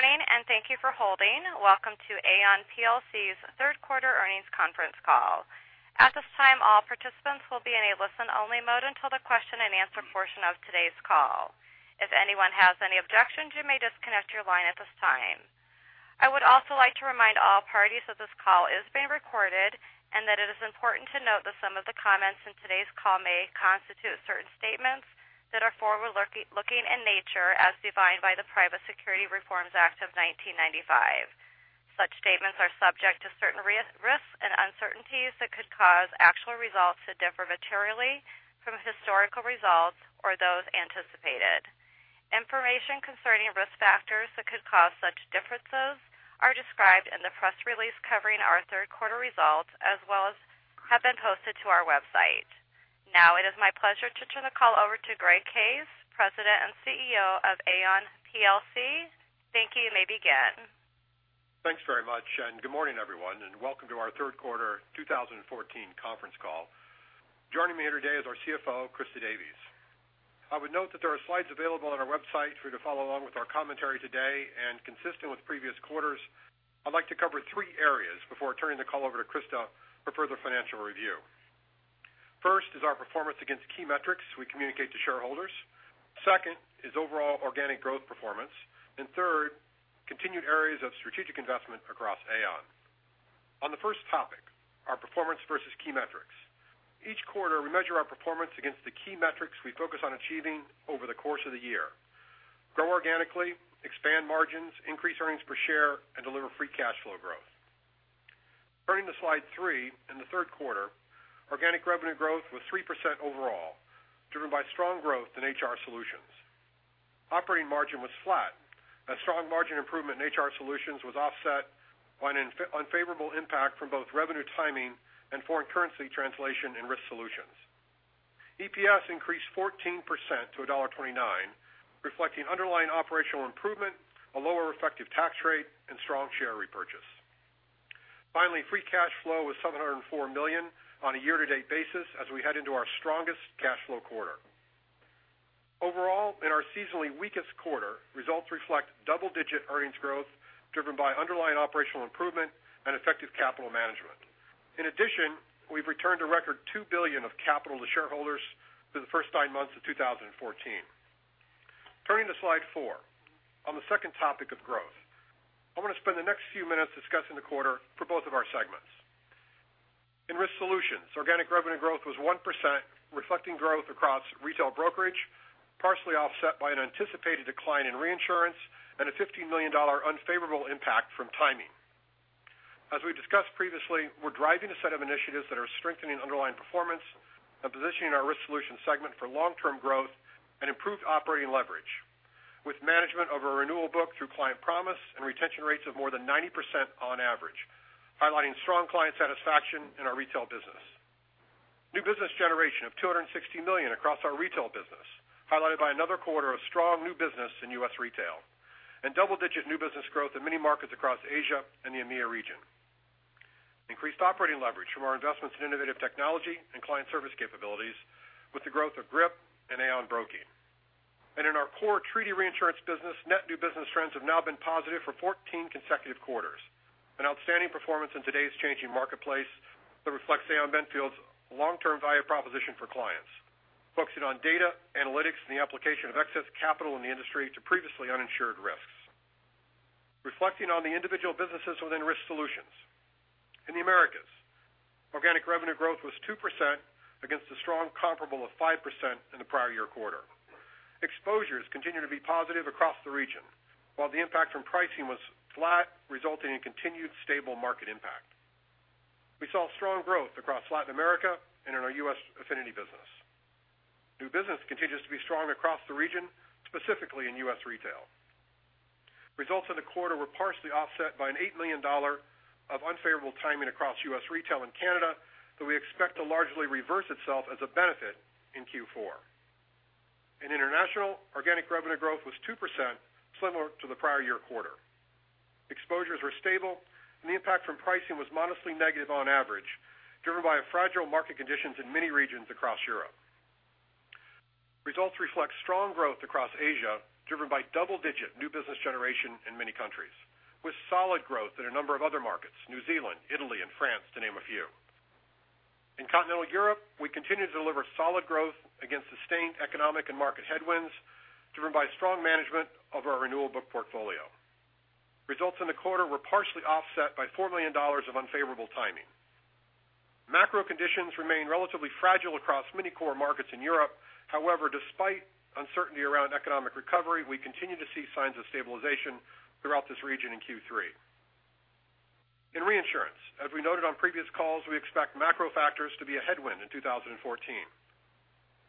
Good morning, and thank you for holding. Welcome to Aon plc's third quarter earnings conference call. At this time, all participants will be in a listen-only mode until the question and answer portion of today's call. If anyone has any objections, you may disconnect your line at this time. I would also like to remind all parties that this call is being recorded and that it is important to note that some of the comments in today's call may constitute certain statements that are forward-looking in nature as defined by the Private Securities Litigation Reform Act of 1995. Such statements are subject to certain risks and uncertainties that could cause actual results to differ materially from historical results or those anticipated. Information concerning risk factors that could cause such differences are described in the press release covering our third quarter results as well as have been posted to our website. It is my pleasure to turn the call over to Greg Case, President and CEO of Aon plc. Thank you. You may begin. Thanks very much. Good morning, everyone, and welcome to our third quarter 2014 conference call. Joining me here today is our CFO, Christa Davies. I would note that there are slides available on our website for you to follow along with our commentary today, and consistent with previous quarters, I'd like to cover three areas before turning the call over to Christa for further financial review. First is our performance against key metrics we communicate to shareholders. Second is overall organic growth performance. Third, continued areas of strategic investment across Aon. On the first topic, our performance versus key metrics. Each quarter, we measure our performance against the key metrics we focus on achieving over the course of the year. Grow organically, expand margins, increase earnings per share, and deliver free cash flow growth. Turning to Slide three, in the third quarter, organic revenue growth was 3% overall, driven by strong growth in HR Solutions. Operating margin was flat as strong margin improvement in HR Solutions was offset by an unfavorable impact from both revenue timing and foreign currency translation and Risk Solutions. EPS increased 14% to $1.29, reflecting underlying operational improvement, a lower effective tax rate, and strong share repurchase. Finally, free cash flow was $704 million on a year-to-date basis as we head into our strongest cash flow quarter. Overall, in our seasonally weakest quarter, results reflect double-digit earnings growth driven by underlying operational improvement and effective capital management. In addition, we've returned a record $2 billion of capital to shareholders through the first nine months of 2014. Turning to Slide four, on the second topic of growth. I want to spend the next few minutes discussing the quarter for both of our segments. In Risk Solutions, organic revenue growth was 1%, reflecting growth across retail brokerage, partially offset by an anticipated decline in reinsurance and a $15 million unfavorable impact from timing. As we discussed previously, we're driving a set of initiatives that are strengthening underlying performance and positioning our Risk Solutions segment for long-term growth and improved operating leverage with management of our renewal book through Aon Client Promise and retention rates of more than 90% on average, highlighting strong client satisfaction in our retail business. New business generation of $260 million across our retail business, highlighted by another quarter of strong new business in U.S. retail and double-digit new business growth in many markets across Asia and the EMEA region. Increased operating leverage from our investments in innovative technology and client service capabilities with the growth of GRIP and Aon Broking. In our core treaty reinsurance business, net new business trends have now been positive for 14 consecutive quarters, an outstanding performance in today's changing marketplace that reflects Aon Benfield's long-term value proposition for clients, focusing on data, analytics, and the application of excess capital in the industry to previously uninsured risks. Reflecting on the individual businesses within Risk Solutions. In the Americas, organic revenue growth was 2% against a strong comparable of 5% in the prior year quarter. Exposures continue to be positive across the region. While the impact from pricing was flat, resulting in continued stable market impact. We saw strong growth across Latin America and in our U.S. affinity business. New business continues to be strong across the region, specifically in U.S. retail. Results in the quarter were partially offset by an $8 million of unfavorable timing across U.S. retail and Canada, that we expect to largely reverse itself as a benefit in Q4. In international, organic revenue growth was 2%, similar to the prior year quarter. Exposures were stable, and the impact from pricing was modestly negative on average, driven by fragile market conditions in many regions across Europe. Results reflect strong growth across Asia, driven by double-digit new business generation in many countries, with solid growth in a number of other markets, New Zealand, Italy, and France, to name a few. In continental Europe, we continue to deliver solid growth against sustained economic and market headwinds driven by strong management of our renewal book portfolio. Results in the quarter were partially offset by $4 million of unfavorable timing. Macro conditions remain relatively fragile across many core markets in Europe. Despite uncertainty around economic recovery, we continue to see signs of stabilization throughout this region in Q3. In reinsurance, as we noted on previous calls, we expect macro factors to be a headwind in 2014.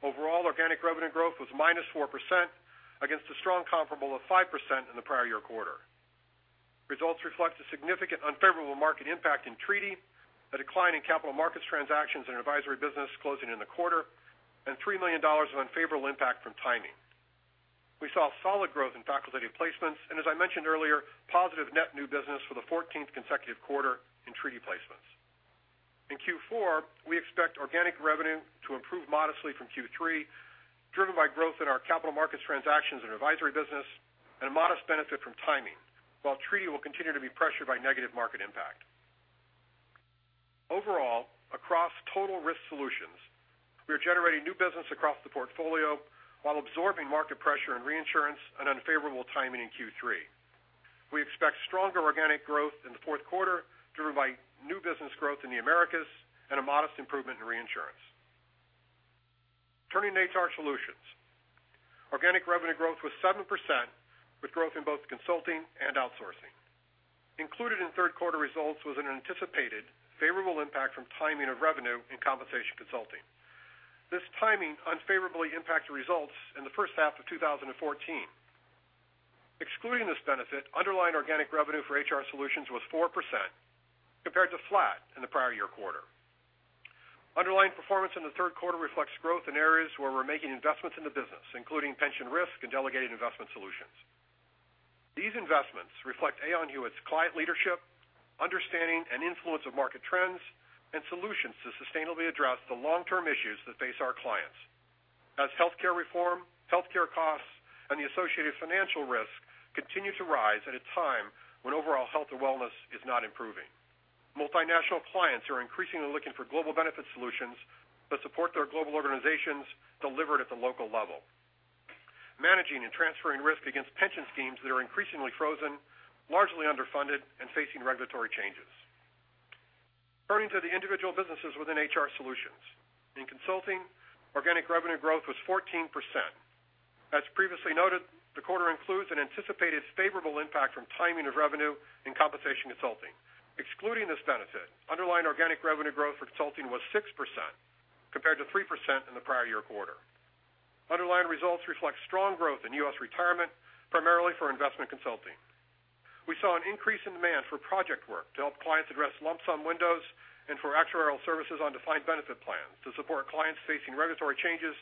Overall, organic revenue growth was -4% against a strong comparable of 5% in the prior year quarter. Results reflect a significant unfavorable market impact in treaty, a decline in capital markets transactions and advisory business closing in the quarter, and $3 million of unfavorable impact from timing. We saw solid growth in facultative placements and, as I mentioned earlier, positive net new business for the 14th consecutive quarter in treaty placements. In Q4, we expect organic revenue to improve modestly from Q3, driven by growth in our capital markets transactions and advisory business, and a modest benefit from timing, while treaty will continue to be pressured by negative market impact. Overall, across total Risk Solutions, we are generating new business across the portfolio while absorbing market pressure in reinsurance and unfavorable timing in Q3. We expect stronger organic growth in the fourth quarter driven by new business growth in the Americas and a modest improvement in reinsurance. Turning to HR Solutions. Organic revenue growth was 7%, with growth in both consulting and outsourcing. Included in third quarter results was an anticipated favorable impact from timing of revenue and compensation consulting. This timing unfavorably impacted results in the first half of 2014. Excluding this benefit, underlying organic revenue for HR Solutions was 4% compared to flat in the prior year quarter. Underlying performance in the third quarter reflects growth in areas where we're making investments in the business, including pension risk and delegated investment solutions. These investments reflect Aon Hewitt's client leadership, understanding and influence of market trends, and solutions to sustainably address the long-term issues that face our clients. As healthcare reform, healthcare costs, and the associated financial risk continue to rise at a time when overall health and wellness is not improving. Multinational clients are increasingly looking for global benefit solutions that support their global organizations delivered at the local level. Managing and transferring risk against pension schemes that are increasingly frozen, largely underfunded, and facing regulatory changes. Turning to the individual businesses within HR Solutions. In consulting, organic revenue growth was 14%. As previously noted, the quarter includes an anticipated favorable impact from timing of revenue and compensation consulting. Excluding this benefit, underlying organic revenue growth for consulting was 6% compared to 3% in the prior year quarter. Underlying results reflect strong growth in U.S. retirement, primarily for investment consulting. We saw an increase in demand for project work to help clients address lump sum windows and for actuarial services on defined benefit plans to support clients facing regulatory changes,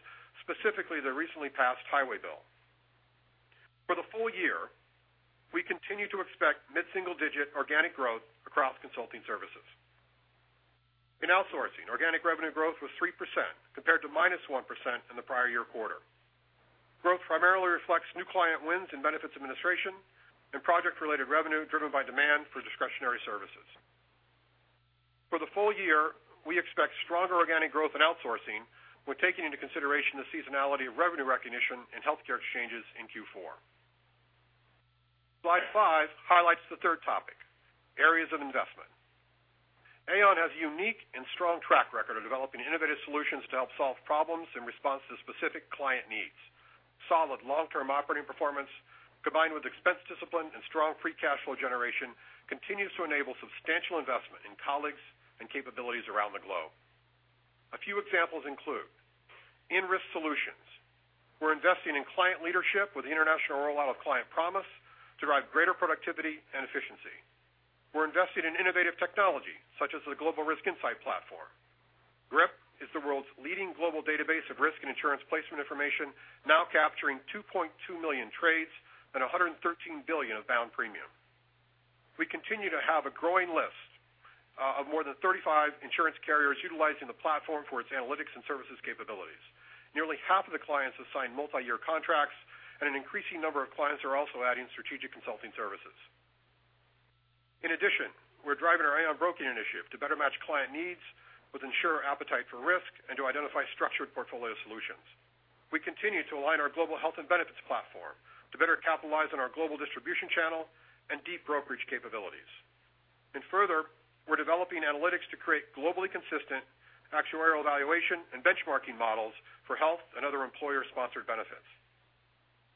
specifically the recently passed Highway Bill. For the full year, we continue to expect mid-single-digit organic growth across consulting services. In outsourcing, organic revenue growth was 3% compared to -1% in the prior year quarter. Growth primarily reflects new client wins in benefits administration and project-related revenue driven by demand for discretionary services. For the full year, we expect stronger organic growth in outsourcing when taking into consideration the seasonality of revenue recognition and healthcare exchanges in Q4. Slide five highlights the third topic, areas of investment. Aon has a unique and strong track record of developing innovative solutions to help solve problems in response to specific client needs. Solid long-term operating performance, combined with expense discipline and strong free cash flow generation, continues to enable substantial investment in colleagues and capabilities around the globe. A few examples include in Risk Solutions, we're investing in client leadership with the international rollout of Client Promise to drive greater productivity and efficiency. We're investing in innovative technology such as the Global Risk Insight Platform. GRIP is the world's leading global database of risk and insurance placement information, now capturing 2.2 million trades and $113 billion of bound premium. We continue to have a growing list of more than 35 insurance carriers utilizing the platform for its analytics and services capabilities. Nearly half of the clients have signed multi-year contracts, and an increasing number of clients are also adding strategic consulting services. In addition, we're driving our Aon Broking initiative to better match client needs with insurer appetite for risk and to identify structured portfolio solutions. We continue to align our global health and benefits platform to better capitalize on our global distribution channel and deep brokerage capabilities. Further, we're developing analytics to create globally consistent actuarial evaluation and benchmarking models for health and other employer-sponsored benefits.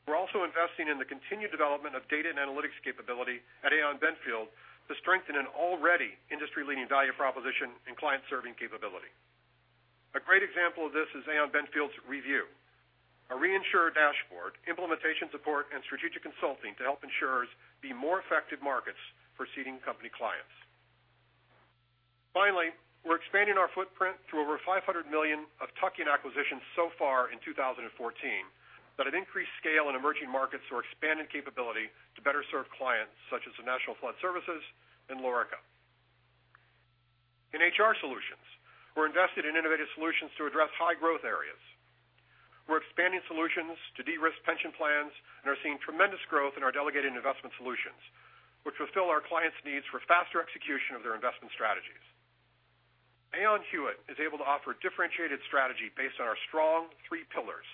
We're also investing in the continued development of data and analytics capability at Aon Benfield to strengthen an already industry-leading value proposition and client-serving capability. A great example of this is Aon Benfield's ReView, a reinsurer dashboard, implementation support, and strategic consulting to help insurers be more effective markets for ceding company clients. Finally, we're expanding our footprint through over $500 million of tuck-in acquisitions so far in 2014 that have increased scale in emerging markets or expanded capability to better serve clients such as the National Flood Services and Lorica. In HR Solutions, we're invested in innovative solutions to address high-growth areas. We're expanding solutions to de-risk pension plans and are seeing tremendous growth in our delegated investment solutions, which fulfill our clients' needs for faster execution of their investment strategies. Aon Hewitt is able to offer differentiated strategy based on our strong three pillars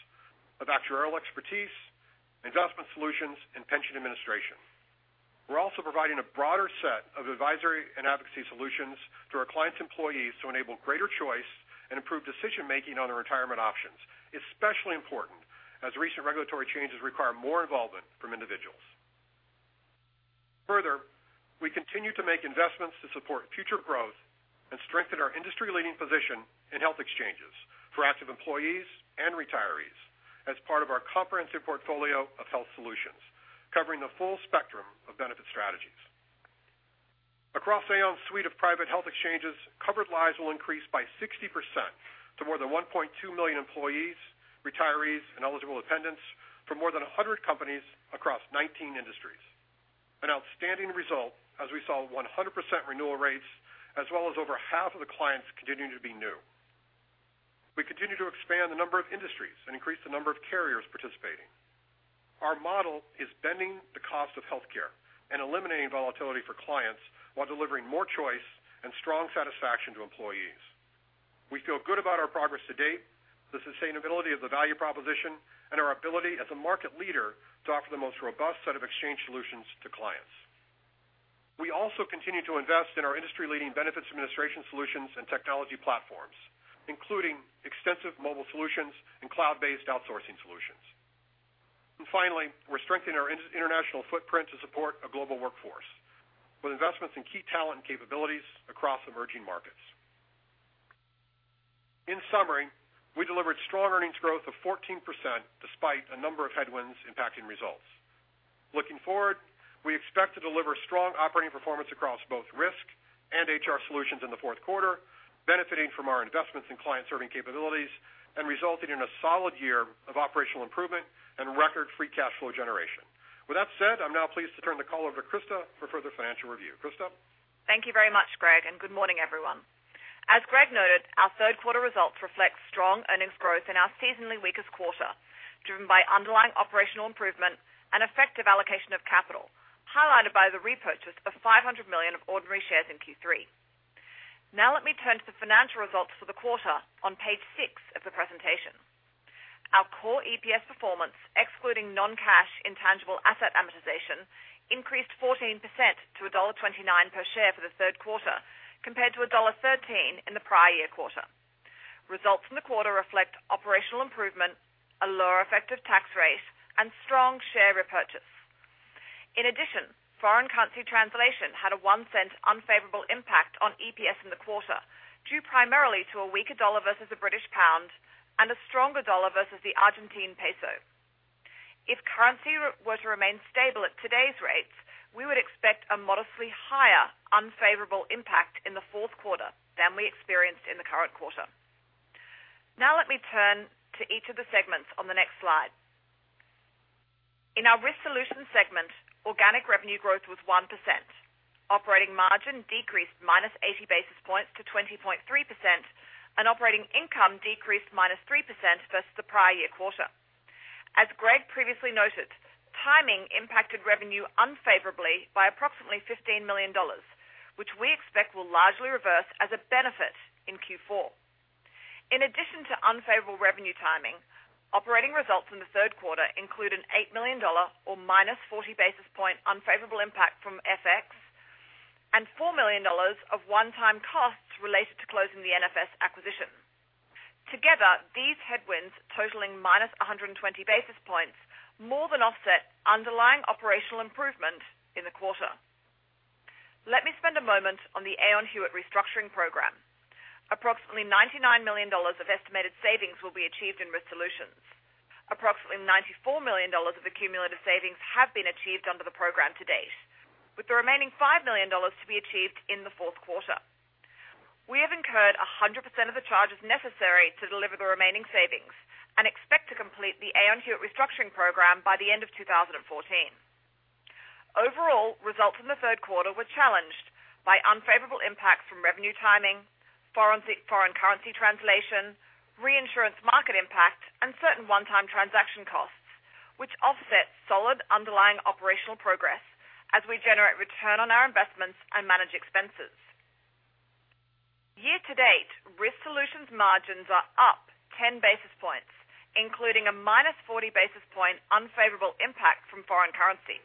of actuarial expertise, investment solutions, and pension administration. We're also providing a broader set of advisory and advocacy solutions to our clients' employees to enable greater choice and improved decision-making on their retirement options. Especially important, as recent regulatory changes require more involvement from individuals. Further, we continue to make investments to support future growth and strengthen our industry-leading position in health exchanges for active employees and retirees as part of our comprehensive portfolio of health solutions, covering the full spectrum of benefit strategies. Across Aon's suite of private health exchanges, covered lives will increase by 60% to more than $1.2 million employees, retirees, and eligible dependents from more than 100 companies across 19 industries. An outstanding result as we saw 100% renewal rates as well as over half of the clients continuing to be new. We continue to expand the number of industries and increase the number of carriers participating. Our model is bending the cost of healthcare and eliminating volatility for clients while delivering more choice and strong satisfaction to employees. We feel good about our progress to date, the sustainability of the value proposition, and our ability as a market leader to offer the most robust set of exchange solutions to clients. We also continue to invest in our industry-leading benefits administration solutions and technology platforms, including extensive mobile solutions and cloud-based outsourcing solutions. Finally, we're strengthening our international footprint to support a global workforce with investments in key talent and capabilities across emerging markets. In summary, we delivered strong earnings growth of 14% despite a number of headwinds impacting results. Looking forward, we expect to deliver strong operating performance across both Risk Solutions and HR Solutions in the fourth quarter, benefiting from our investments in client-serving capabilities and resulting in a solid year of operational improvement and record-free cash flow generation. With that said, I'm now pleased to turn the call over to Christa for further financial review. Christa? Thank you very much, Greg. Good morning, everyone. As Greg noted, our third quarter results reflect strong earnings growth in our seasonally weakest quarter, driven by underlying operational improvement and effective allocation of capital, highlighted by the repurchase of $500 million of ordinary shares in Q3. Let me turn to the financial results for the quarter on page six of the presentation. Our core EPS performance, excluding non-cash intangible asset amortization, increased 14% to $1.29 per share for the third quarter, compared to $1.13 in the prior year quarter. Results from the quarter reflect operational improvement, a lower effective tax rate, and strong share repurchase. In addition, foreign currency translation had a $0.01 unfavorable impact on EPS in the quarter, due primarily to a weaker dollar versus the GBP and a stronger dollar versus the ARS. If currency were to remain stable at today's rates, we would expect a modestly higher unfavorable impact in the fourth quarter than we experienced in the current quarter. Let me turn to each of the segments on the next slide. In our Risk Solutions segment, organic revenue growth was 1%. Operating margin decreased -80 basis points to 20.3%, and operating income decreased -3% versus the prior year quarter. As Greg previously noted, timing impacted revenue unfavorably by approximately $15 million, which we expect will largely reverse as a benefit in Q4. In addition to unfavorable revenue timing, operating results in the third quarter include an $8 million, or -40 basis point unfavorable impact from FX and $4 million of one-time costs related to closing the NFS acquisition. Together, these headwinds totaling -120 basis points more than offset underlying operational improvement in the quarter. Let me spend a moment on the Aon Hewitt restructuring program. Approximately $99 million of estimated savings will be achieved in Risk Solutions. Approximately $94 million of accumulated savings have been achieved under the program to date, with the remaining $5 million to be achieved in the fourth quarter. We have incurred 100% of the charges necessary to deliver the remaining savings and expect to complete the Aon Hewitt restructuring program by the end of 2014. Overall, results in the third quarter were challenged by unfavorable impacts from revenue timing, foreign currency translation, reinsurance market impact, and certain one-time transaction costs, which offset solid underlying operational progress as we generate return on our investments and manage expenses. Year to date, Risk Solutions margins are up 10 basis points, including a -40 basis point unfavorable impact from foreign currency.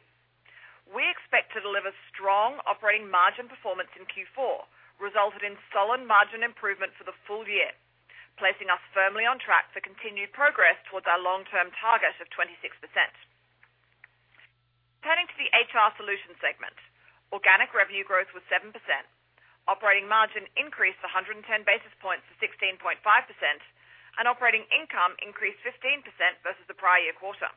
We expect to deliver strong operating margin performance in Q4, resulting in solid margin improvement for the full year, placing us firmly on track for continued progress towards our long-term target of 26%. Turning to the HR Solutions segment, organic revenue growth was 7%. Operating margin increased 110 basis points to 16.5%, and operating income increased 15% versus the prior year quarter.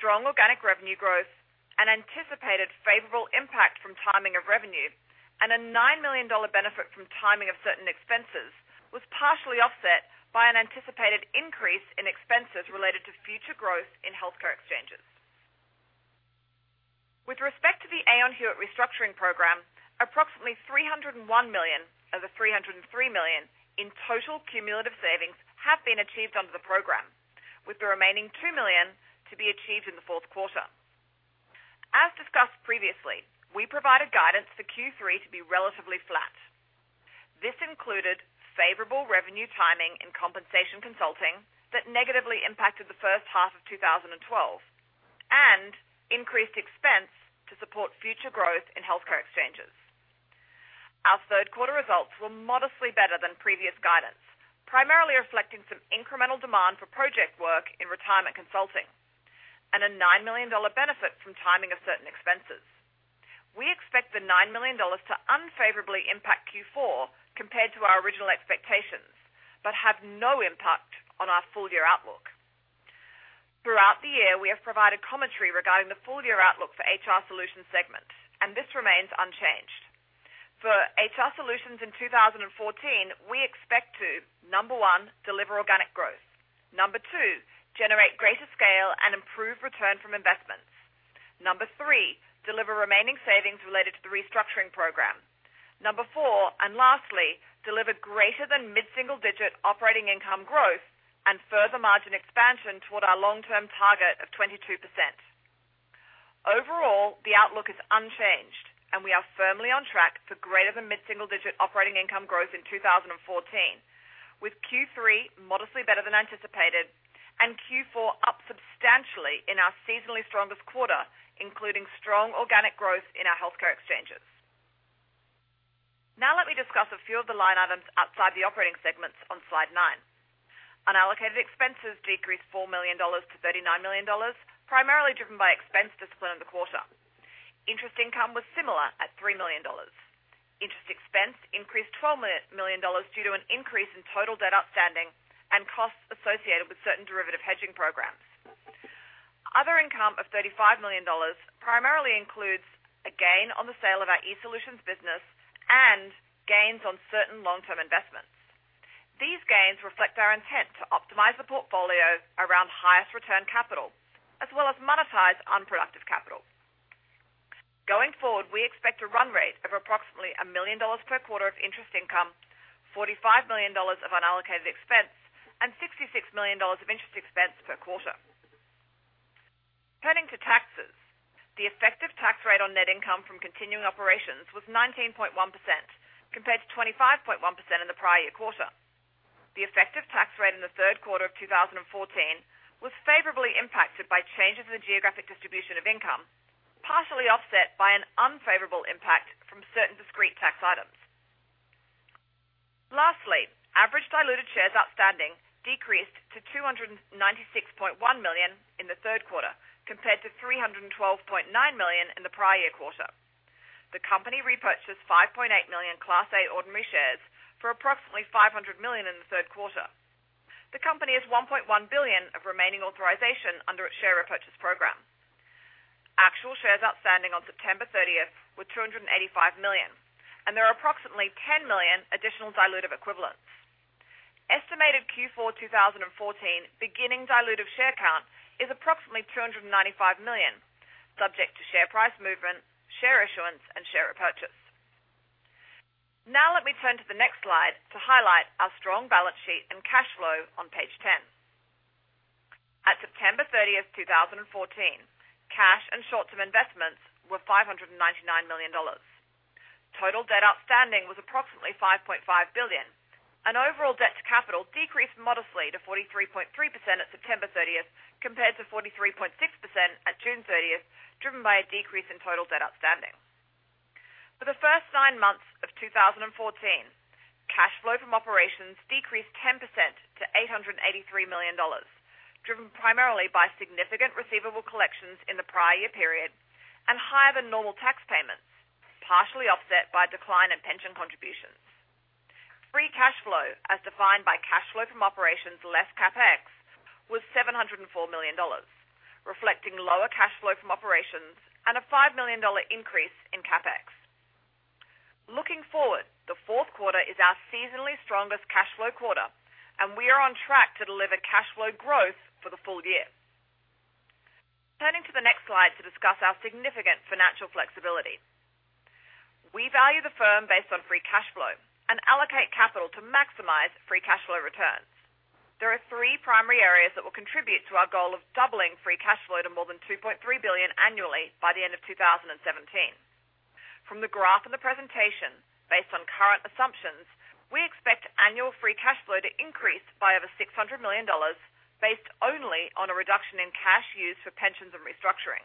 Strong organic revenue growth and anticipated favorable impact from timing of revenue and a $9 million benefit from timing of certain expenses was partially offset by an anticipated increase in expenses related to future growth in healthcare exchanges. With respect to the Aon Hewitt restructuring program, approximately $301 million of the $303 million in total cumulative savings have been achieved under the program, with the remaining $2 million to be achieved in the fourth quarter. As discussed previously, we provided guidance for Q3 to be relatively flat. This included favorable revenue timing and compensation consulting that negatively impacted the first half of 2014 and increased expense to support future growth in healthcare exchanges. Our third-quarter results were modestly better than previous guidance, primarily reflecting some incremental demand for project work in retirement consulting and a $9 million benefit from timing of certain expenses. We expect the $9 million to unfavorably impact Q4 compared to our original expectations but have no impact on our full-year outlook. Throughout the year, we have provided commentary regarding the full-year outlook for HR Solutions segments, and this remains unchanged. HR Solutions in 2014, we expect to, number 1, deliver organic growth. Number 2, generate greater scale and improve return from investments. Number 3, deliver remaining savings related to the restructuring program. Number 4, and lastly, deliver greater than mid-single digit operating income growth and further margin expansion toward our long-term target of 22%. Overall, the outlook is unchanged, and we are firmly on track for greater than mid-single digit operating income growth in 2014, with Q3 modestly better than anticipated and Q4 up substantially in our seasonally strongest quarter, including strong organic growth in our healthcare exchanges. Now let me discuss a few of the line items outside the operating segments on slide nine. Unallocated expenses decreased $4 million to $39 million, primarily driven by expense discipline in the quarter. Interest income was similar at $3 million. Interest expense increased $12 million due to an increase in total debt outstanding and costs associated with certain derivative hedging programs. Other income of $35 million primarily includes a gain on the sale of our e-solutions business and gains on certain long-term investments. These gains reflect our intent to optimize the portfolio around highest return capital, as well as monetize unproductive capital. Going forward, we expect a run rate of approximately $1 million per quarter of interest income, $45 million of unallocated expense, and $66 million of interest expense per quarter. Turning to taxes, the effective tax rate on net income from continuing operations was 19.1% compared to 25.1% in the prior year quarter. The effective tax rate in the third quarter of 2014 was favorably impacted by changes in the geographic distribution of income, partially offset by an unfavorable impact from certain discrete tax items. Lastly, average diluted shares outstanding decreased to 296.1 million in the third quarter, compared to 312.9 million in the prior year quarter. The company repurchased 5.8 million Class A ordinary shares for approximately $500 million in the third quarter. The company has $1.1 billion of remaining authorization under its share repurchase program. Actual shares outstanding on September 30th were 285 million, and there are approximately 10 million additional dilutive equivalents. Estimated Q4 2014 beginning dilutive share count is approximately 295 million, subject to share price movement, share issuance, and share repurchase. Now let me turn to the next slide to highlight our strong balance sheet and cash flow on page 10. At September 30th, 2014, cash and short-term investments were $599 million. Total debt outstanding was approximately $5.5 billion and overall debt to capital decreased modestly to 43.3% at September 30th compared to 43.6% at June 30th, driven by a decrease in total debt outstanding. For the first nine months of 2014, cash flow from operations decreased 10% to $883 million, driven primarily by significant receivable collections in the prior year period and higher than normal tax payments, partially offset by decline in pension contributions. Free cash flow, as defined by cash flow from operations less CapEx, was $704 million, reflecting lower cash flow from operations and a $5 million increase in CapEx. Looking forward, the fourth quarter is our seasonally strongest cash flow quarter, and we are on track to deliver cash flow growth for the full year. Turning to the next slide to discuss our significant financial flexibility. We value the firm based on free cash flow and allocate capital to maximize free cash flow returns. There are three primary areas that will contribute to our goal of doubling free cash flow to more than $2.3 billion annually by the end of 2017. From the graph in the presentation, based on current assumptions, we expect annual free cash flow to increase by over $600 million based only on a reduction in cash used for pensions and restructuring.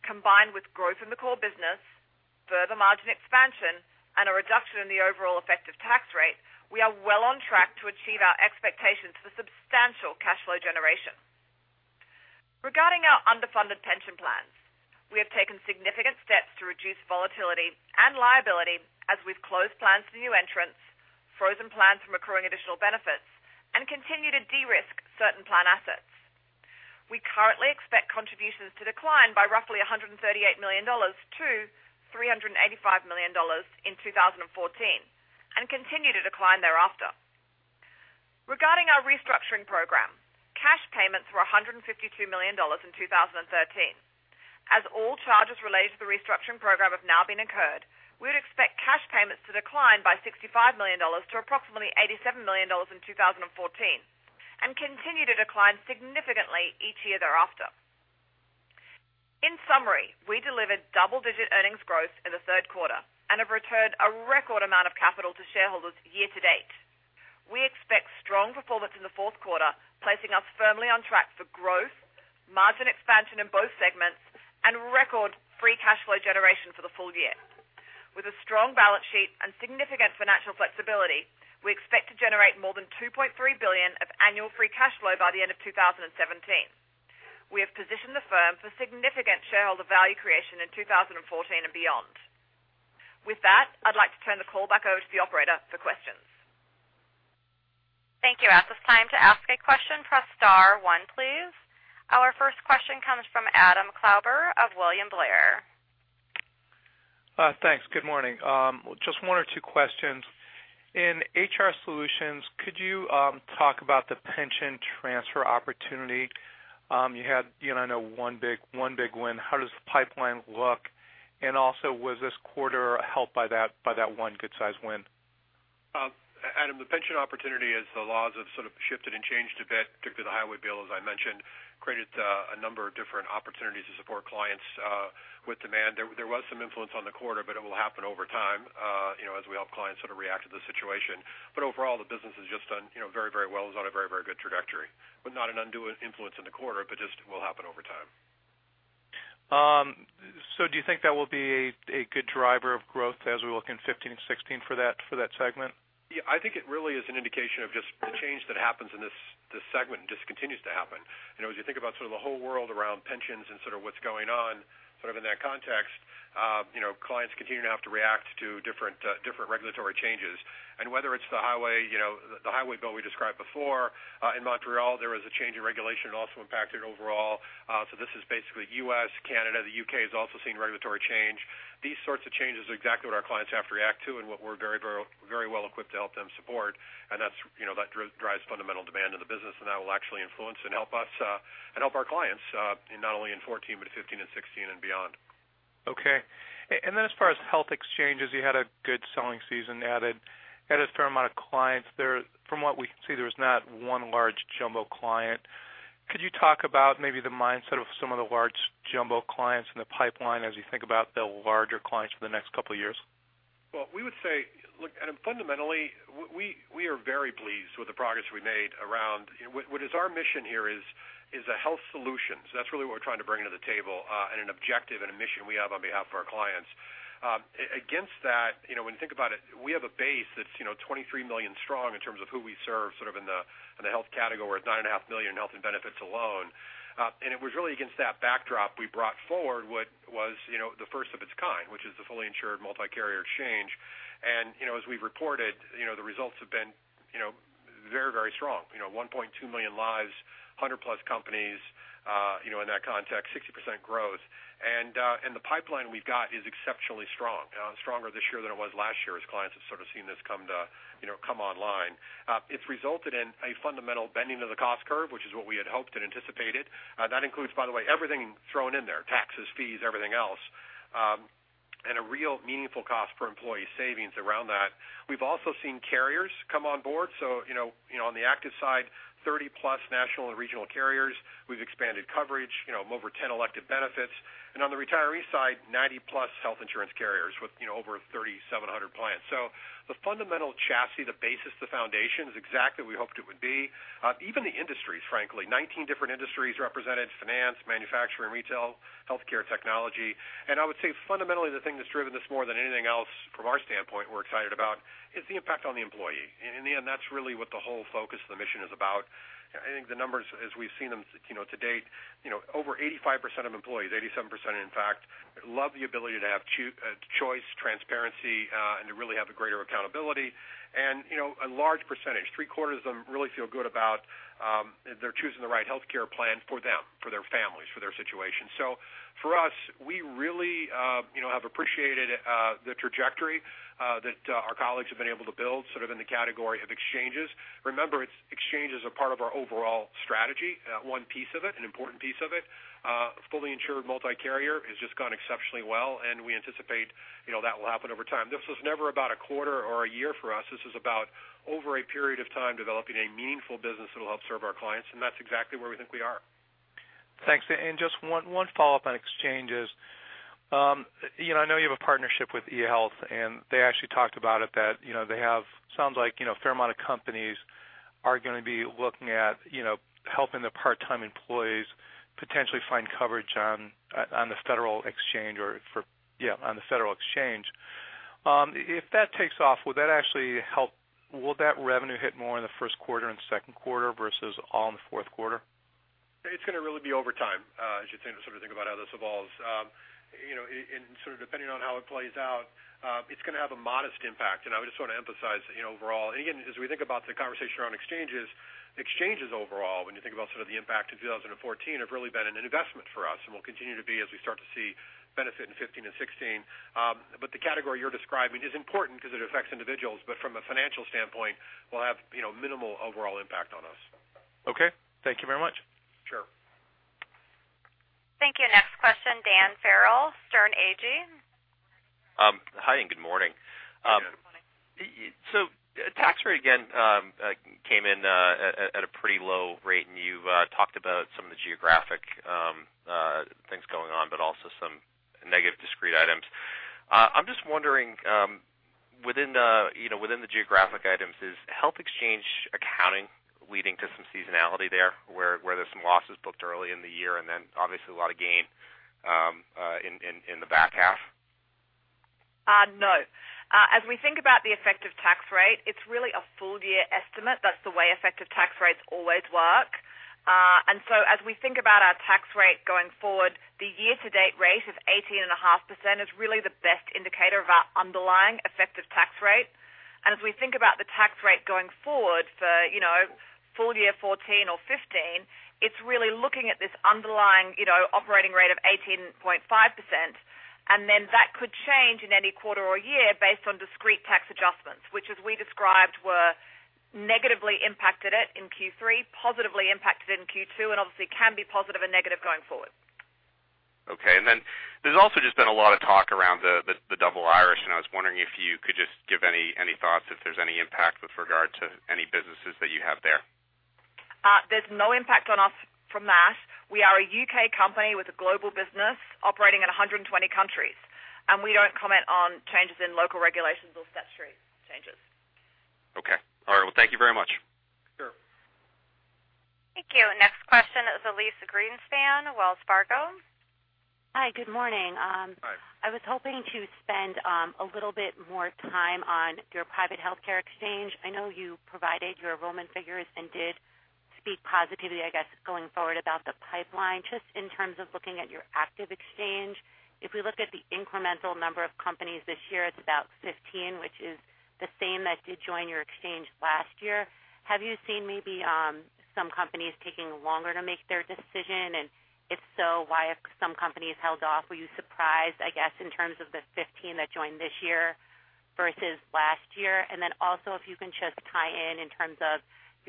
Combined with growth in the core business, further margin expansion, and a reduction in the overall effective tax rate, we are well on track to achieve our expectations for substantial cash flow generation. Regarding our underfunded pension plans, we have taken significant steps to reduce volatility and liability as we've closed plans to new entrants, frozen plans from accruing additional benefits, and continue to de-risk certain plan assets. We currently expect contributions to decline by roughly $138 million to $385 million in 2014 and continue to decline thereafter. Regarding our restructuring program, cash payments were $152 million in 2013. As all charges related to the restructuring program have now been incurred, we would expect cash payments to decline by $65 million to approximately $87 million in 2014 and continue to decline significantly each year thereafter. In summary, we delivered double-digit earnings growth in the third quarter and have returned a record amount of capital to shareholders year to date. We expect strong performance in the fourth quarter, placing us firmly on track for growth, margin expansion in both segments, and record free cash flow generation for the full year. With a strong balance sheet and significant financial flexibility, we expect to generate more than $2.3 billion of annual free cash flow by the end of 2017. We have positioned the firm for significant shareholder value creation in 2014 and beyond. With that, I'd like to turn the call back over to the operator for questions. Thank you. At this time to ask a question, press star one, please. Our first question comes from Adam Klauber of William Blair. Thanks. Good morning. Just one or two questions. In HR Solutions, could you talk about the pension transfer opportunity? You had one big win. How does the pipeline look? Was this quarter helped by that one good-sized win? Adam, the pension opportunity as the laws have sort of shifted and changed a bit, particularly the Highway bill, as I mentioned, created a number of different opportunities to support clients with demand. There was some influence on the quarter, it will happen over time, as we help clients sort of react to the situation. Overall, the business has just done very, very well. It is on a very, very good trajectory, not an undue influence in the quarter, just will happen over time. Do you think that will be a good driver of growth as we look in 2015 and 2016 for that segment? Yeah, I think it really is an indication of just the change that happens in this segment and just continues to happen. As you think about sort of the whole world around pensions and sort of what's going on, sort of in that context, clients continue to have to react to different regulatory changes. Whether it's the Highway bill we described before, in Montreal, there was a change in regulation that also impacted overall. This is basically U.S., Canada, the U.K. has also seen regulatory change. These sorts of changes are exactly what our clients have to react to and what we're very well equipped to help them support, that drives fundamental demand in the business, that will actually influence and help us, and help our clients, not only in 2014, but 2015 and 2016 and beyond. Okay. As far as health exchanges, you had a good selling season, added a fair amount of clients there. From what we can see, there was not one large jumbo client. Could you talk about maybe the mindset of some of the large jumbo clients in the pipeline as you think about the larger clients for the next couple of years? Well, we would say, look, Adam, fundamentally, we are very pleased with the progress we made around What is our mission here is a health solution. That's really what we're trying to bring to the table, and an objective and a mission we have on behalf of our clients. Against that, when you think about it, we have a base that's 23 million strong in terms of who we serve sort of in the health category, where it's nine and a half million in health and benefits alone. It was really against that backdrop we brought forward what was the first of its kind, which is the fully insured multi-carrier exchange. As we've reported, the results have been very, very strong. 1.2 million lives, 100 plus companies, in that context, 60% growth. The pipeline we've got is exceptionally strong. Stronger this year than it was last year, as clients have sort of seen this come online. It's resulted in a fundamental bending of the cost curve, which is what we had hoped and anticipated. That includes, by the way, everything thrown in there, taxes, fees, everything else, and a real meaningful cost per employee savings around that. We've also seen carriers come on board. On the active side, 30 plus national and regional carriers. We've expanded coverage, over 10 elected benefits. On the retiree side, 90 plus health insurance carriers with over 3,700 clients. The fundamental chassis, the basis, the foundation is exactly what we hoped it would be. Even the industries, frankly, 19 different industries represented, finance, manufacturing, retail, healthcare technology. I would say fundamentally, the thing that's driven this more than anything else from our standpoint we're excited about is the impact on the employee. In the end, that's really what the whole focus of the mission is about. I think the numbers, as we've seen them to date, over 85% of employees, 87%, in fact, love the ability to have choice, transparency, and to really have a greater accountability. A large percentage, three-quarters of them really feel good about they're choosing the right healthcare plan for them, for their families, for their situation. For us, we really have appreciated the trajectory that our colleagues have been able to build sort of in the category of exchanges. Remember, exchanges are part of our overall strategy, one piece of it, an important piece of it. Fully insured multi-carrier has just gone exceptionally well. We anticipate that will happen over time. This was never about a quarter or a year for us. This is about over a period of time, developing a meaningful business that will help serve our clients. That's exactly where we think we are. Thanks. Just one follow-up on exchanges. I know you have a partnership with eHealth. They actually talked about it, that they have, sounds like a fair amount of companies are going to be looking at helping their part-time employees potentially find coverage on the federal exchange. If that takes off, will that revenue hit more in the first quarter and second quarter versus all in the fourth quarter? It's going to really be over time, as you sort of think about how this evolves. Sort of depending on how it plays out, it's going to have a modest impact. I would just want to emphasize that overall. Again, as we think about the conversation around exchanges overall, when you think about sort of the impact in 2014, have really been an investment for us and will continue to be as we start to see benefit in 2015 and 2016. The category you're describing is important because it affects individuals, from a financial standpoint, will have minimal overall impact on us. Okay. Thank you very much. Sure. Thank you. Next question, Dan Farrell, Sterne Agee. Hi, good morning. Good morning. Tax rate again, came in at a pretty low rate, and you've talked about some of the geographic things going on, but also some negative discrete items. I'm just wondering, within the geographic items, is health exchange accounting leading to some seasonality there, where there's some losses booked early in the year and then obviously a lot of gain in the back half? No. As we think about the effective tax rate, it's really a full year estimate. That's the way effective tax rates always work. As we think about our tax rate going forward, the year to date rate of 18.5% is really the best indicator of our underlying effective tax rate. As we think about the tax rate going forward for full year 2014 or 2015, it's really looking at this underlying operating rate of 18.5%, then that could change in any quarter or year based on discrete tax adjustments, which as we described, were negatively impacted it in Q3, positively impacted in Q2, and obviously can be positive and negative going forward. Okay. There's also just been a lot of talk around the double Irish, and I was wondering if you could just give any thoughts if there's any impact with regard to any businesses that you have there. There's no impact on us from that. We are a U.K. company with a global business operating in 120 countries, and we don't comment on changes in local regulations or statutory changes. Okay. All right. Well, thank you very much. Sure. Thank you. Next question is Elyse Greenspan, Wells Fargo. Hi, good morning. Hi. I was hoping to spend a little bit more time on your private healthcare exchange. I know you provided your enrollment figures and did speak positively, I guess, going forward about the pipeline. Just in terms of looking at your active exchange, if we look at the incremental number of companies this year, it's about 15, which is the same that did join your exchange last year. Have you seen maybe some companies taking longer to make their decision? If so, why have some companies held off? Were you surprised, I guess, in terms of the 15 that joined this year versus last year? Also, if you can just tie in terms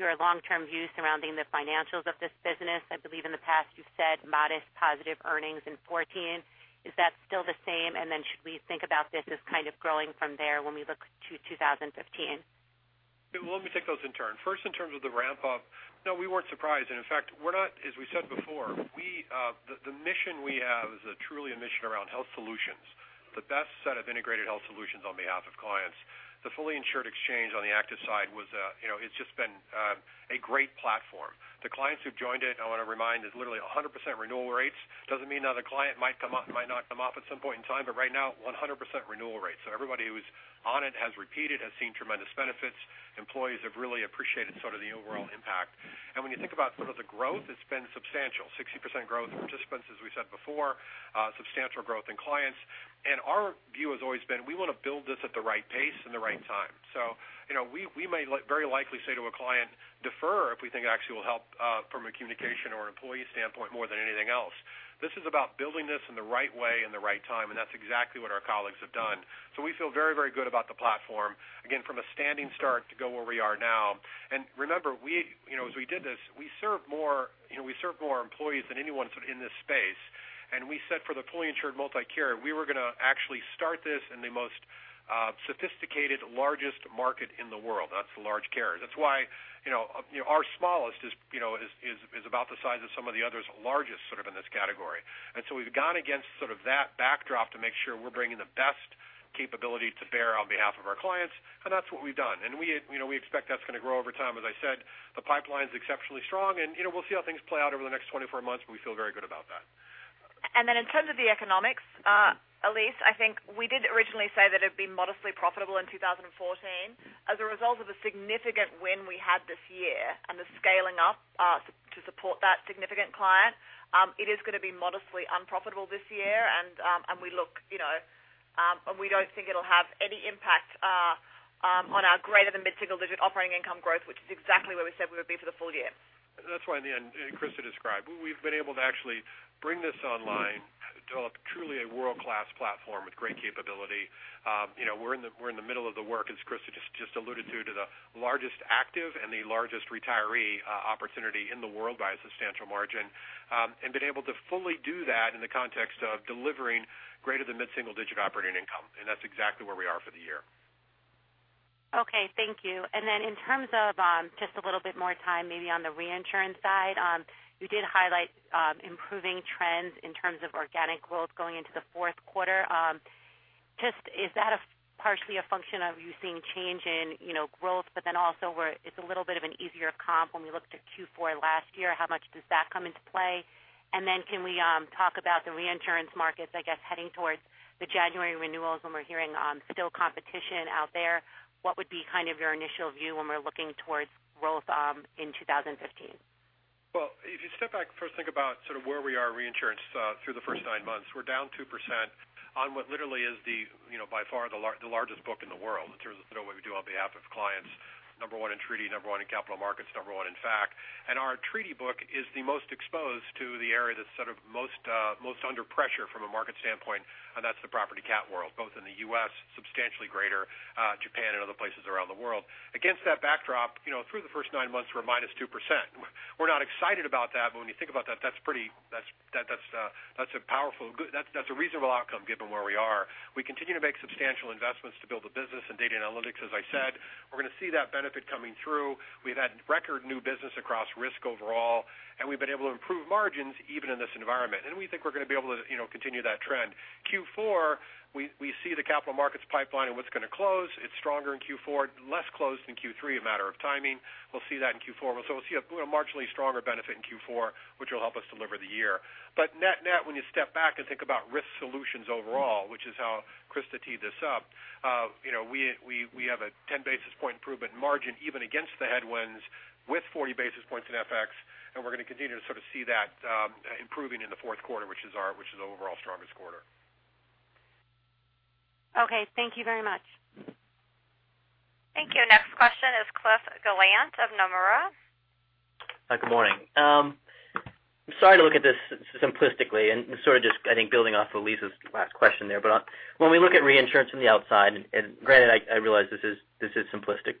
of your long-term view surrounding the financials of this business. I believe in the past you've said modest positive earnings in 2014. Is that still the same? Should we think about this as kind of growing from there when we look to 2015? Let me take those in turn. First, in terms of the ramp up, no, we weren't surprised. In fact, as we said before, the mission we have is truly a mission around health solutions, the best set of integrated health solutions on behalf of clients. The fully insured exchange on the active side, it's just been a great platform. The clients who've joined it, I want to remind, there's literally 100% renewal rates. Doesn't mean another client might not come off at some point in time, but right now, 100% renewal rates. Everybody who is on it has repeated, has seen tremendous benefits. Employees have really appreciated sort of the overall impact. When you think about sort of the growth, it's been substantial, 60% growth in participants, as we said before, substantial growth in clients. Our view has always been we want to build this at the right pace and the right time. We may very likely say to a client, defer if we think it actually will help, from a communication or an employee standpoint more than anything else. This is about building this in the right way and the right time, and that's exactly what our colleagues have done. We feel very, very good about the platform. Again, from a standing start to go where we are now. Remember, as we did this, we served more employees than anyone in this space. We said for the fully insured multi-carrier, we were going to actually start this in the most sophisticated, largest market in the world. That's the large carrier. That's why our smallest is about the size of some of the others' largest sort of in this category. We've gone against sort of that backdrop to make sure we're bringing the best capability to bear on behalf of our clients, and that's what we've done. We expect that's going to grow over time. As I said, the pipeline's exceptionally strong, we'll see how things play out over the next 24 months, but we feel very good about that. In terms of the economics, Elyse, I think we did originally say that it'd be modestly profitable in 2014. As a result of a significant win we had this year and the scaling up to support that significant client, it is going to be modestly unprofitable this year. We don't think it'll have any impact on our greater than mid-single digit operating income growth, which is exactly where we said we would be for the full year. That's why in the end, Christa described, we've been able to actually bring this online, develop truly a world-class platform with great capability. We're in the middle of the work, as Christa just alluded to the largest active and the largest retiree opportunity in the world by a substantial margin. Been able to fully do that in the context of delivering greater than mid-single digit operating income. That's exactly where we are for the year. Okay, thank you. In terms of, just a little bit more time maybe on the reinsurance side. You did highlight improving trends in terms of organic growth going into the fourth quarter. Just is that partially a function of you seeing change in growth, but then also where it's a little bit of an easier comp when we looked at Q4 last year? How much does that come into play? Can we talk about the reinsurance markets, I guess, heading towards the January renewals when we're hearing still competition out there? What would be kind of your initial view when we're looking towards growth in 2015? Well, if you step back first, think about sort of where we are reinsurance through the first nine months. We're down 2% on what literally is by far the largest book in the world in terms of what we do on behalf of clients, number one in treaty, number one in capital markets, number one in fact. Our treaty book is the most exposed to the area that's sort of most under pressure from a market standpoint, and that's the property cat world, both in the U.S., substantially greater, Japan, and other places around the world. Against that backdrop, through the first nine months, we're -2%. We're not excited about that, but when you think about that's a reasonable outcome given where we are. We continue to make substantial investments to build the business and data analytics, as I said. We're going to see that benefit coming through. We've had record new business across risk overall, and we've been able to improve margins even in this environment. We think we're going to be able to continue that trend. Q4, we see the capital markets pipeline and what's going to close. It's stronger in Q4, less closed in Q3, a matter of timing. We'll see that in Q4. We'll see a marginally stronger benefit in Q4, which will help us deliver the year. Net-net, when you step back and think about Risk Solutions overall, which is how Christa teed this up, we have a 10 basis point improvement margin even against the headwinds with 40 basis points in FX. We're going to continue to sort of see that improving in the fourth quarter, which is the overall strongest quarter. Okay. Thank you very much. Thank you. Next question is Cliff Gallant of Nomura. Hi, good morning. I'm sorry to look at this simplistically and sort of just, I think, building off of Elyse last question there. When we look at reinsurance from the outside, and granted, I realize this is simplistic,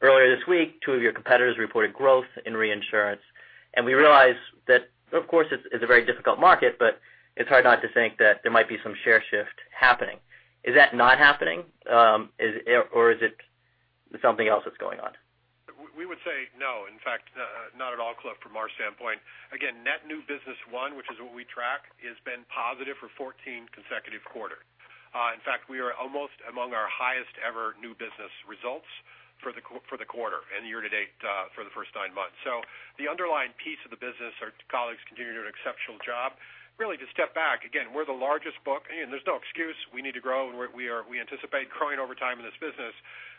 earlier this week, two of your competitors reported growth in reinsurance, We realize that, of course, it's a very difficult market, but it's hard not to think that there might be some share shift happening. Is that not happening? Is it something else that's going on? We would say no. In fact, not at all, Cliff, from our standpoint. Again, net new business one, which is what we track, has been positive for 14 consecutive quarters. In fact, we are almost among our highest ever new business results for the quarter and year to date for the first nine months. The underlying piece of the business, our colleagues continue to do an exceptional job. Really to step back, again, we're the largest book, There's no excuse we need to grow, We anticipate growing over time in this business.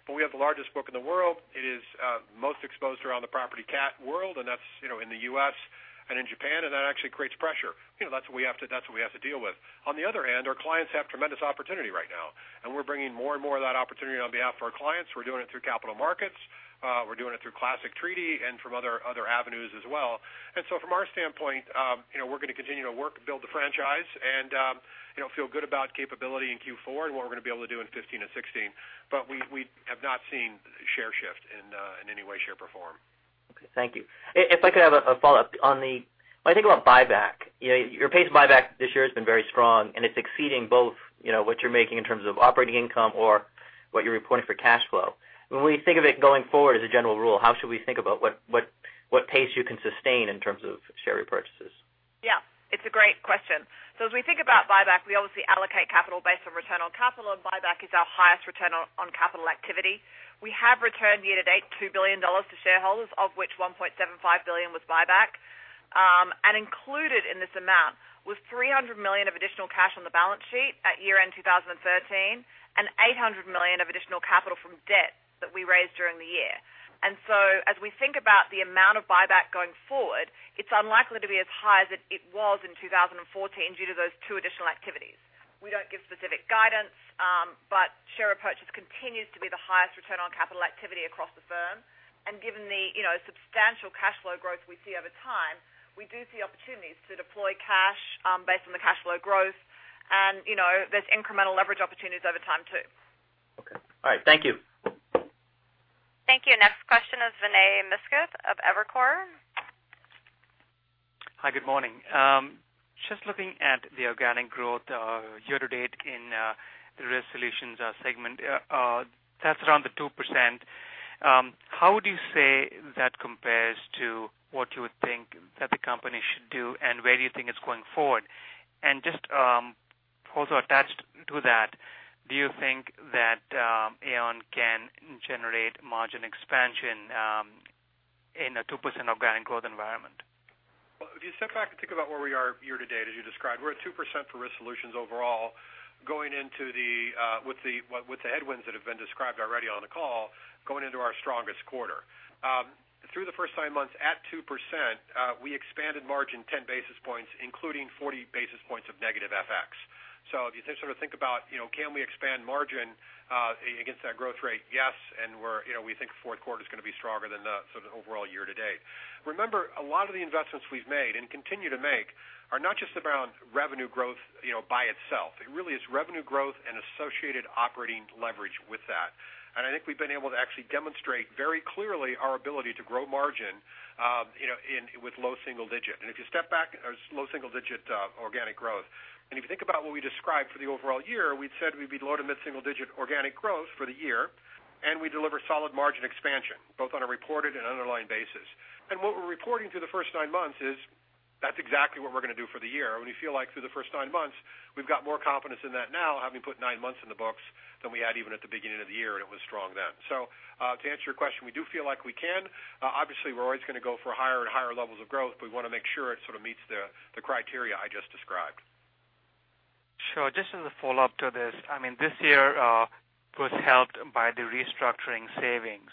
We have the largest book in the world. It is most exposed around the property cat world, and that's in the U.S. In Japan, That actually creates pressure. That's what we have to deal with. On the other hand, our clients have tremendous opportunity right now, and we're bringing more and more of that opportunity on behalf of our clients. We're doing it through capital markets. We're doing it through classic treaty and from other avenues as well. From our standpoint, we're going to continue to work, build the franchise, and feel good about capability in Q4 and what we're going to be able to do in 2015 and 2016. We have not seen share shift in any way, shape, or form. Okay, thank you. If I could have a follow-up on the, when I think about buyback, your pace of buyback this year has been very strong, and it's exceeding both what you're making in terms of operating income or what you're reporting for cash flow. When we think of it going forward as a general rule, how should we think about what pace you can sustain in terms of share repurchases? Yeah, it's a great question. As we think about buyback, we obviously allocate capital based on return on capital, and buyback is our highest return on capital activity. We have returned year to date $2 billion to shareholders, of which $1.75 billion was buyback. Included in this amount was $300 million of additional cash on the balance sheet at year-end 2013 and $800 million of additional capital from debt that we raised during the year. As we think about the amount of buyback going forward, it's unlikely to be as high as it was in 2014 due to those two additional activities. We don't give specific guidance, share repurchase continues to be the highest return on capital activity across the firm. Given the substantial cash flow growth we see over time, we do see opportunities to deploy cash based on the cash flow growth. There's incremental leverage opportunities over time too. Okay. All right. Thank you. Thank you. Next question is Vinay Misquith of Evercore. Hi, good morning. Just looking at the organic growth year-to-date in the Risk Solutions segment. That's around the 2%. How would you say that compares to what you would think that the company should do? Where do you think it's going forward? Just also attached to that, do you think that Aon can generate margin expansion in a 2% organic growth environment? Well, if you step back and think about where we are year to date, as you described, we're at 2% for Risk Solutions overall, with the headwinds that have been described already on the call going into our strongest quarter. Through the first nine months at 2%, we expanded margin 10 basis points, including 40 basis points of negative FX. If you sort of think about can we expand margin against that growth rate? Yes. We think fourth quarter is going to be stronger than the sort of overall year to date. Remember, a lot of the investments we've made and continue to make are not just around revenue growth by itself. It really is revenue growth and associated operating leverage with that. I think we've been able to actually demonstrate very clearly our ability to grow margin with low single digit. If you step back, there's low single-digit organic growth. If you think about what we described for the overall year, we'd said we'd be low to mid-single-digit organic growth for the year, and we deliver solid margin expansion both on a reported and underlying basis. What we're reporting through the first nine months is that's exactly what we're going to do for the year. We feel like through the first nine months, we've got more confidence in that now, having put nine months in the books than we had even at the beginning of the year, and it was strong then. To answer your question, we do feel like we can. Obviously, we're always going to go for higher and higher levels of growth. We want to make sure it sort of meets the criteria I just described. Sure. Just as a follow-up to this, I mean, this year was helped by the restructuring savings.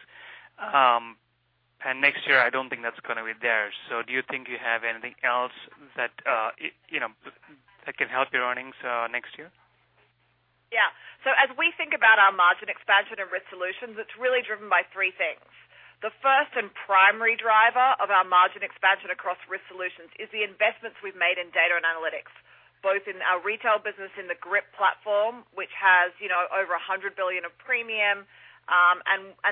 Next year, I don't think that's going to be there. Do you think you have anything else that can help your earnings next year? As we think about our margin expansion and Risk Solutions, it's really driven by three things. The first and primary driver of our margin expansion across Risk Solutions is the investments we've made in data and analytics, both in our retail business in the GRIP platform, which has over $100 billion of premium.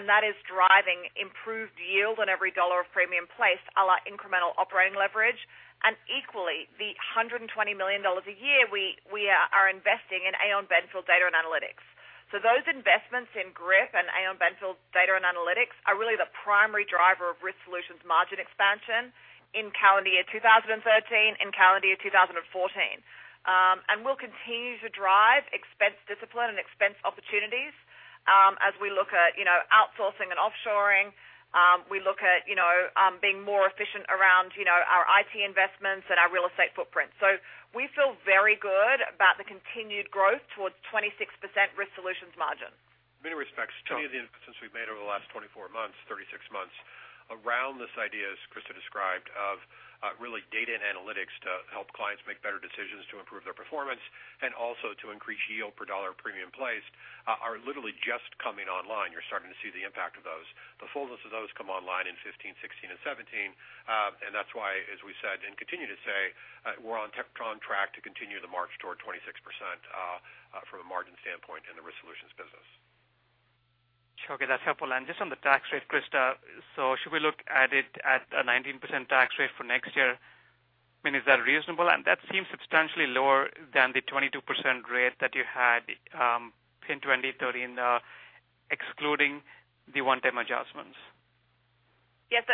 That is driving improved yield on every dollar of premium placed a la incremental operating leverage. Equally, the $120 million a year we are investing in Aon Benfield data and analytics. Those investments in GRIP and Aon Benfield data and analytics are really the primary driver of Risk Solutions margin expansion in calendar year 2013 and calendar year 2014. We'll continue to drive expense discipline and expense opportunities as we look at outsourcing and offshoring. We look at being more efficient around our IT investments and our real estate footprint. We feel very good about the continued growth towards 26% Risk Solutions margin. Many respects, two of the investments we've made over the last 24 months, 36 months around this idea, as Christa described, of really data and analytics to help clients make better decisions to improve their performance, also to increase yield per dollar premium placed, are literally just coming online. You're starting to see the impact of those. The fullness of those come online in 2015, 2016, and 2017. That's why, as we said and continue to say, we're on track to continue the march toward 26% from a margin standpoint in the Risk Solutions business. Okay, that's helpful. Just on the tax rate, Christa, should we look at it at a 19% tax rate for next year? I mean, is that reasonable? That seems substantially lower than the 22% rate that you had in 2013, excluding the one-time adjustments. Yes.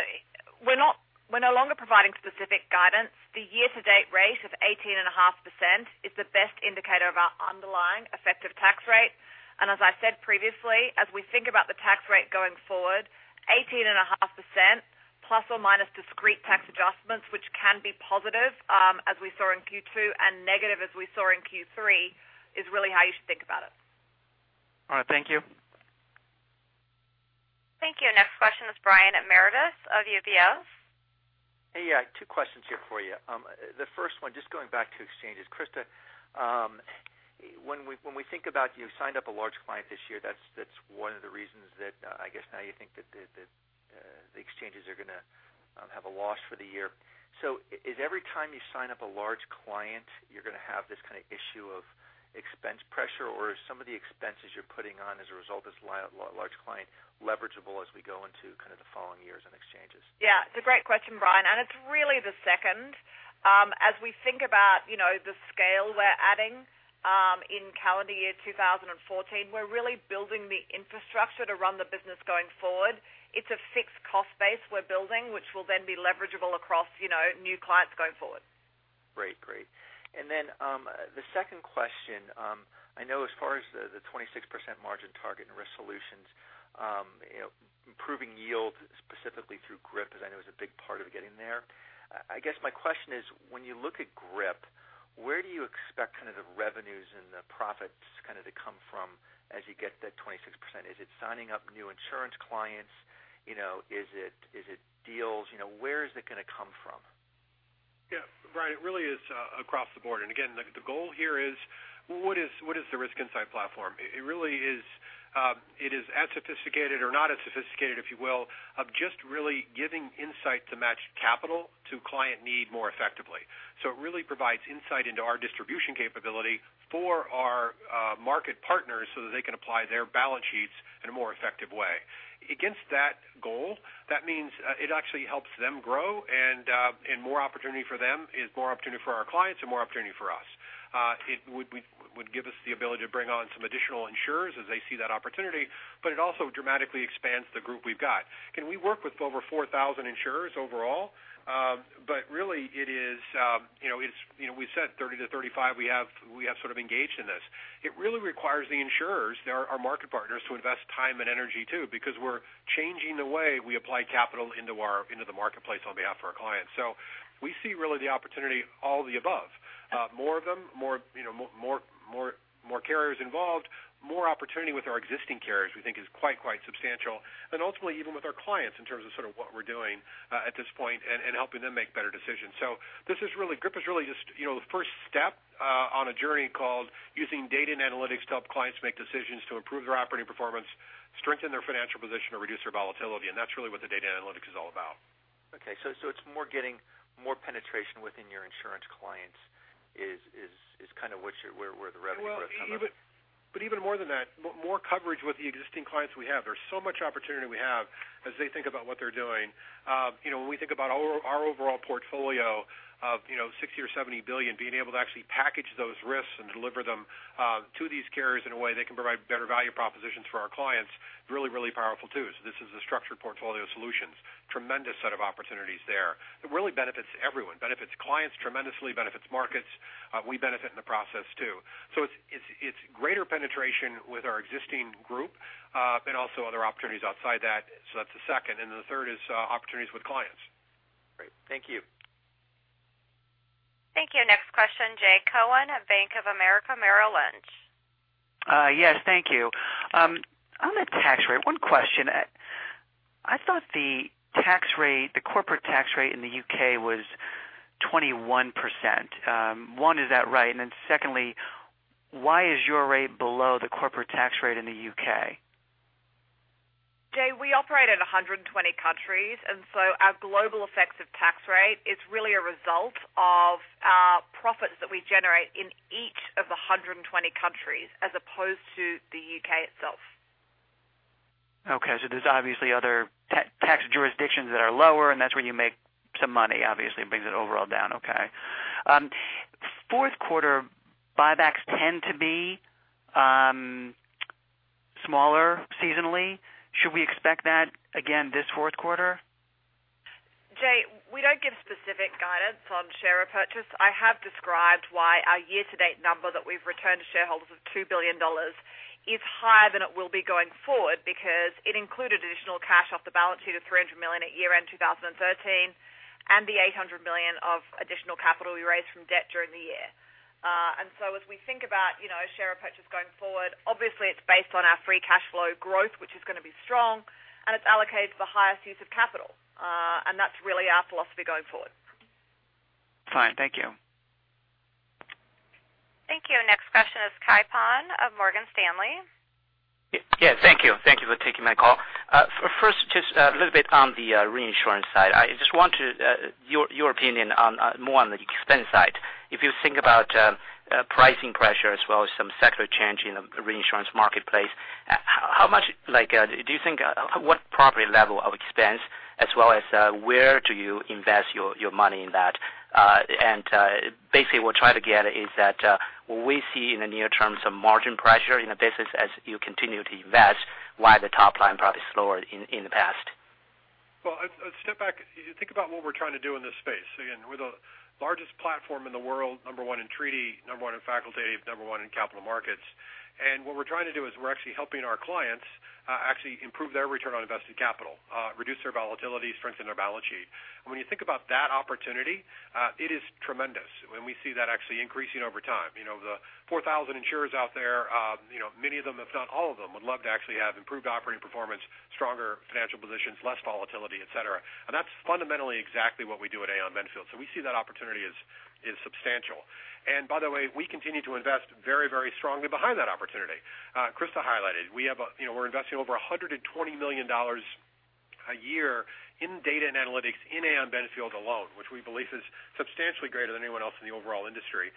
We're no longer providing specific guidance. The year-to-date rate of 18.5% is the best indicator of our underlying effective tax rate. As I said previously, as we think about the tax rate going forward, 18.5% ± discrete tax adjustments, which can be positive as we saw in Q2 and negative as we saw in Q3, is really how you should think about it. All right. Thank you. Thank you. Next question is Brian Meredith of UBS. Hey, yeah. two questions here for you. The first one, just going back to exchanges. Christa, when we think about you signed up a large client this year, that's one of the reasons that I guess now you think that the exchanges are going to have a loss for the year. Is every time you sign up a large client, you're going to have this kind of issue of expense pressure, or are some of the expenses you're putting on as a result of this large client leverageable as we go into the following years in exchanges? Yeah. It's a great question, Brian, it's really the second. As we think about the scale we're adding in calendar year 2014, we're really building the infrastructure to run the business going forward. It's a fixed cost base we're building, which will then be leverageable across new clients going forward. Great. Then the second question. I know as far as the 26% margin target in Risk Solutions, improving yield specifically through GRIP, as I know is a big part of getting there. I guess my question is, when you look at GRIP, where do you expect the revenues and the profits to come from as you get to that 26%? Is it signing up new insurance clients? Is it deals? Where is it going to come from? Brian, it really is across the board. Again, the goal here is what is the Risk Insight Platform? It is as sophisticated or not as sophisticated, if you will, of just really giving insight to match capital to client need more effectively. It really provides insight into our distribution capability for our market partners so that they can apply their balance sheets in a more effective way. Against that goal, that means it actually helps them grow, more opportunity for them is more opportunity for our clients and more opportunity for us. It would give us the ability to bring on some additional insurers as they see that opportunity, it also dramatically expands the group we've got. We work with over 4,000 insurers overall. Really we said 30 to 35 we have sort of engaged in this. It really requires the insurers, our market partners, to invest time and energy, too, because we're changing the way we apply capital into the marketplace on behalf of our clients. We see really the opportunity all of the above. More of them, more carriers involved, more opportunity with our existing carriers we think is quite substantial. Ultimately, even with our clients in terms of what we're doing at this point and helping them make better decisions. GRIP is really just the first step on a journey called using data and analytics to help clients make decisions to improve their operating performance, strengthen their financial position, or reduce their volatility. That's really what the data and analytics is all about. It's more getting more penetration within your insurance clients is kind of where the revenue growth comes from. Even more than that, more coverage with the existing clients we have. There's so much opportunity we have as they think about what they're doing. When we think about our overall portfolio of $60 billion or $70 billion, being able to actually package those risks and deliver them to these carriers in a way they can provide better value propositions for our clients is really powerful, too. This is the structured portfolio solutions. Tremendous set of opportunities there. It really benefits everyone. Benefits clients tremendously, benefits markets. We benefit in the process, too. It's greater penetration with our existing group, also other opportunities outside that. That's the second. Then the third is opportunities with clients. Great. Thank you. Thank you. Next question, Jay Cohen of Bank of America Merrill Lynch. Yes, thank you. On the tax rate, one question. I thought the corporate tax rate in the U.K. was 21%. One, is that right? Then secondly, why is your rate below the corporate tax rate in the U.K.? Jay, we operate in 120 countries, so our global effective tax rate is really a result of our profits that we generate in each of the 120 countries as opposed to the U.K. itself. Okay. There's obviously other tax jurisdictions that are lower, and that's where you make some money. Obviously, it brings it overall down. Okay. Fourth quarter buybacks tend to be smaller seasonally. Should we expect that again this fourth quarter? Jay, we don't give specific guidance on share repurchase. I have described why our year-to-date number that we've returned to shareholders of $2 billion is higher than it will be going forward because it included additional cash off the balance sheet of $300 million at year-end 2013, and the $800 million of additional capital we raised from debt during the year. As we think about share repurchase going forward, obviously it's based on our free cash flow growth, which is going to be strong, and it's allocated for highest use of capital. That's really our philosophy going forward. Fine. Thank you. Thank you. Next question is Kai Pan of Morgan Stanley. Yes, thank you. Thank you for taking my call. First, just a little bit on the reinsurance side. I just want your opinion more on the expense side. If you think about pricing pressure as well as some secular change in the reinsurance marketplace, what property level of expense as well as where do you invest your money in that? Basically what we're trying to get is that we see in the near term some margin pressure in the business as you continue to invest, why the top line probably slower in the past. Well, I'd step back. Think about what we're trying to do in this space. Again, we're the largest platform in the world, number one in treaty, number one in facultative, number one in capital markets. What we're trying to do is we're actually helping our clients actually improve their return on invested capital, reduce their volatility, strengthen their balance sheet. When you think about that opportunity, it is tremendous. We see that actually increasing over time. The 4,000 insurers out there, many of them, if not all of them, would love to actually have improved operating performance, stronger financial positions, less volatility, et cetera. That's fundamentally exactly what we do at Aon Benfield. We see that opportunity as substantial. By the way, we continue to invest very strongly behind that opportunity. Christa highlighted, we're investing over $120 million a year in data and analytics in Aon Benfield alone, which we believe is substantially greater than anyone else in the overall industry.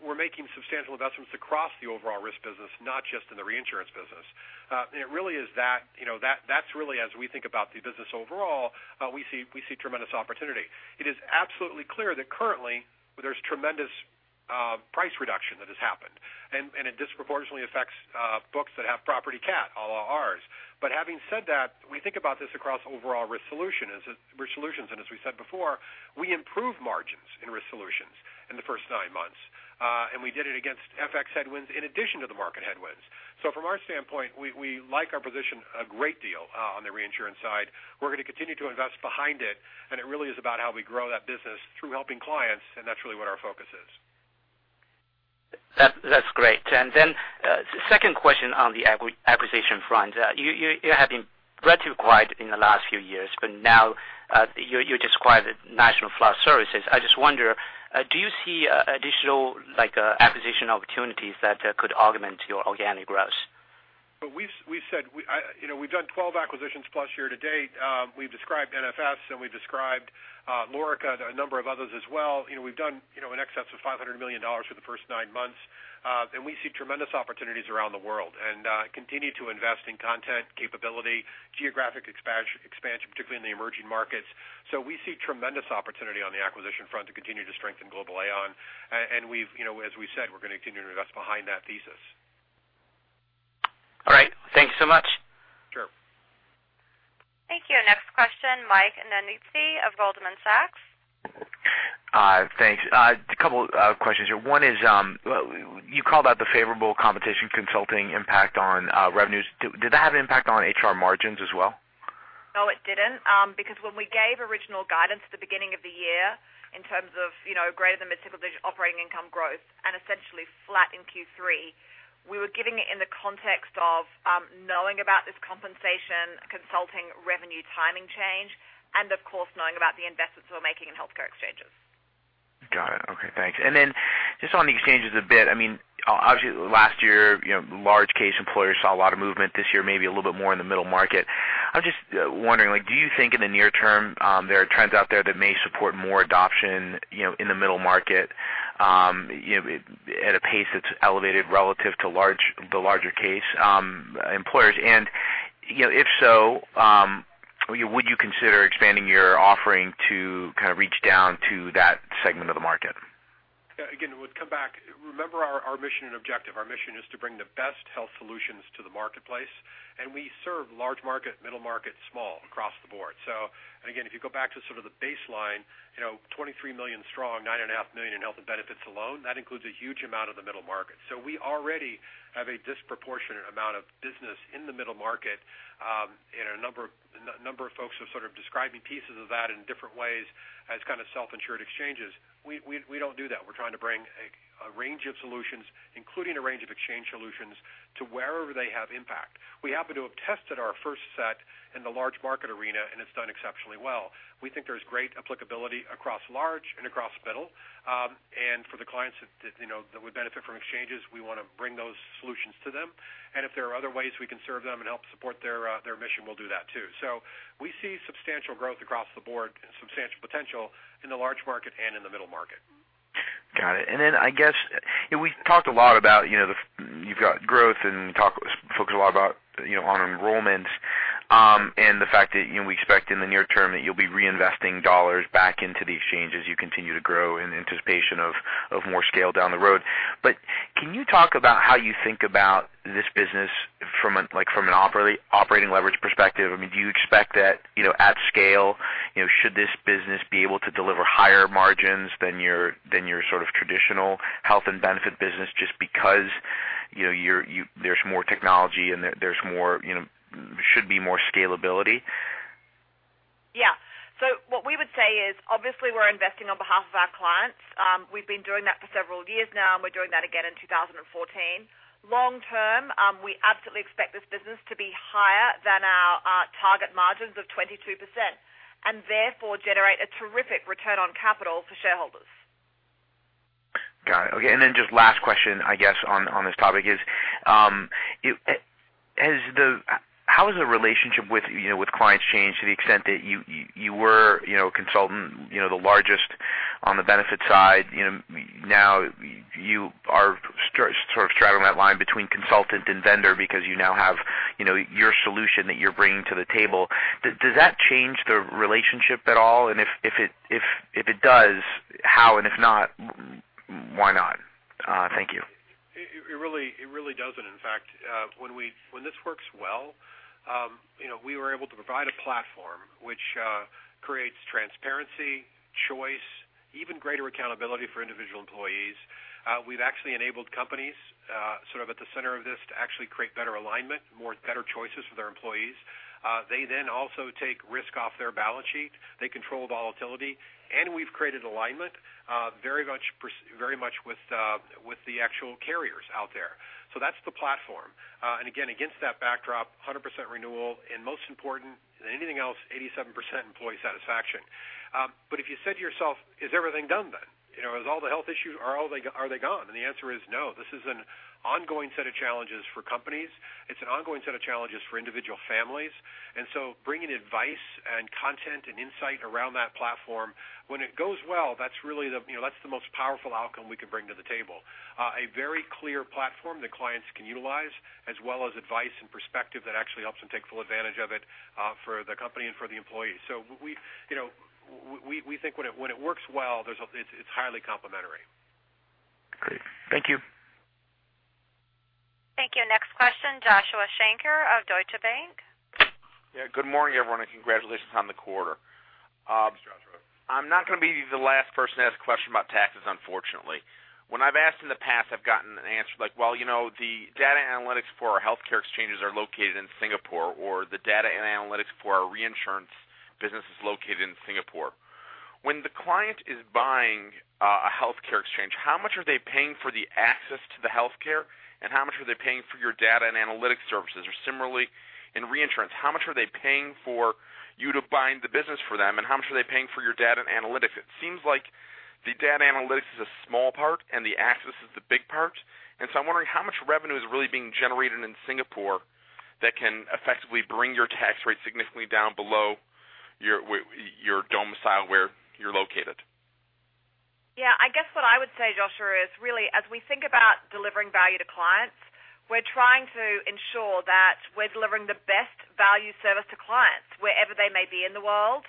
We're making substantial investments across the overall risk business, not just in the reinsurance business. That's really as we think about the business overall, we see tremendous opportunity. It is absolutely clear that currently there's tremendous price reduction that has happened, and it disproportionately affects books that have property cat, a la ours. Having said that, we think about this across overall Risk Solutions, and as we said before, we improved margins in Risk Solutions in the first nine months. We did it against FX headwinds in addition to the market headwinds. From our standpoint, we like our position a great deal on the reinsurance side. We're going to continue to invest behind it, and it really is about how we grow that business through helping clients, and that's really what our focus is. That's great. Second question on the acquisition front. You have been relatively quiet in the last few years, but now you describe it National Flood Services. I just wonder, do you see additional acquisition opportunities that could augment your organic growth? We've done 12 acquisitions plus year-to-date. We've described NFS and we've described Lorica and a number of others as well. We've done in excess of $500 million for the first nine months. We see tremendous opportunities around the world and continue to invest in content capability, geographic expansion, particularly in the emerging markets. We see tremendous opportunity on the acquisition front to continue to strengthen global Aon. As we said, we're going to continue to invest behind that thesis. All right. Thank you so much. Sure. Thank you. Next question, Michael Nannizzi of Goldman Sachs. Thanks. A couple of questions here. One is, you called out the favorable compensation consulting impact on revenues. Did that have an impact on HR margins as well? No, it didn't, because when we gave original guidance at the beginning of the year in terms of greater than mid-single-digit operating income growth and essentially flat in Q3, we were giving it in the context of knowing about this compensation consulting revenue timing change, and of course, knowing about the investments we're making in healthcare exchanges. Got it. Okay. Thanks. Just on the exchanges a bit, obviously last year, large case employers saw a lot of movement. This year maybe a little bit more in the middle market. I was just wondering, do you think in the near term there are trends out there that may support more adoption in the middle market at a pace that's elevated relative to the larger case employers? If so, would you consider expanding your offering to kind of reach down to that segment of the market? Again, would come back. Remember our mission and objective. Our mission is to bring the best health solutions to the marketplace, and we serve large market, middle market, small across the board. If you go back to sort of the baseline, 23 million strong, 9.5 million in health and benefits alone, that includes a huge amount of the middle market. We already have a disproportionate amount of business in the middle market, and a number of folks are sort of describing pieces of that in different ways as kind of self-insured exchanges. We don't do that. We're trying to bring a range of solutions, including a range of exchange solutions, to wherever they have impact. We happen to have tested our first set in the large market arena, and it's done exceptionally well. We think there's great applicability across large and across middle. For the clients that would benefit from exchanges, we want to bring those solutions to them. If there are other ways we can serve them and help support their mission, we'll do that too. We see substantial growth across the board and substantial potential in the large market and in the middle market. Got it. I guess we talked a lot about you've got growth and focused a lot about on enrollments, and the fact that we expect in the near term that you'll be reinvesting dollars back into the exchanges you continue to grow in anticipation of more scale down the road. Can you talk about how you think about this business from an operating leverage perspective? Do you expect that at scale should this business be able to deliver higher margins than your sort of traditional health and benefit business just because there's more technology and there should be more scalability? Yeah. What we would say is, obviously, we're investing on behalf of our clients. We've been doing that for several years now, and we're doing that again in 2014. Long term, we absolutely expect this business to be higher than our target margins of 22% and therefore generate a terrific return on capital for shareholders. Got it. Okay, just last question, I guess, on this topic is, how has the relationship with clients changed to the extent that you were a consultant, the largest on the benefit side. Now you are sort of straddling that line between consultant and vendor because you now have your solution that you're bringing to the table. Does that change the relationship at all? If it does, how, and if not, why not? Thank you. It really doesn't. In fact, when this works well, we were able to provide a platform which creates transparency, choice, even greater accountability for individual employees. We've actually enabled companies sort of at the center of this to actually create better alignment, better choices for their employees. They also take risk off their balance sheet. They control volatility, we've created alignment very much with the actual carriers out there. That's the platform. Again, against that backdrop, 100% renewal and most important than anything else, 87% employee satisfaction. If you said to yourself, is everything done then? Is all the health issues, are they gone? The answer is no. This is an ongoing set of challenges for companies. It's an ongoing set of challenges for individual families. Bringing advice and content and insight around that platform, when it goes well, that's the most powerful outcome we can bring to the table. A very clear platform that clients can utilize as well as advice and perspective that actually helps them take full advantage of it for the company and for the employees. We think when it works well, it's highly complementary. Great. Thank you. Thank you. Next question, Joshua Shanker of Deutsche Bank. Yeah, good morning, everyone. Congratulations on the quarter. Thanks, Joshua. I'm not going to be the last person to ask a question about taxes, unfortunately. When I've asked in the past, I've gotten an answer like, "Well, the data analytics for our healthcare exchanges are located in Singapore," or, "The data and analytics for our reinsurance business is located in Singapore." When the client is buying a healthcare exchange, how much are they paying for the access to the healthcare, and how much are they paying for your data and analytics services, or similarly in reinsurance? How much are they paying for you to bind the business for them, and how much are they paying for your data and analytics? It seems like the data analytics is a small part and the access is the big part. I'm wondering how much revenue is really being generated in Singapore that can effectively bring your tax rate significantly down below your domicile where you're located. Yeah, I guess what I would say, Joshua, is really, as we think about delivering value to clients, we're trying to ensure that we're delivering the best value service to clients wherever they may be in the world.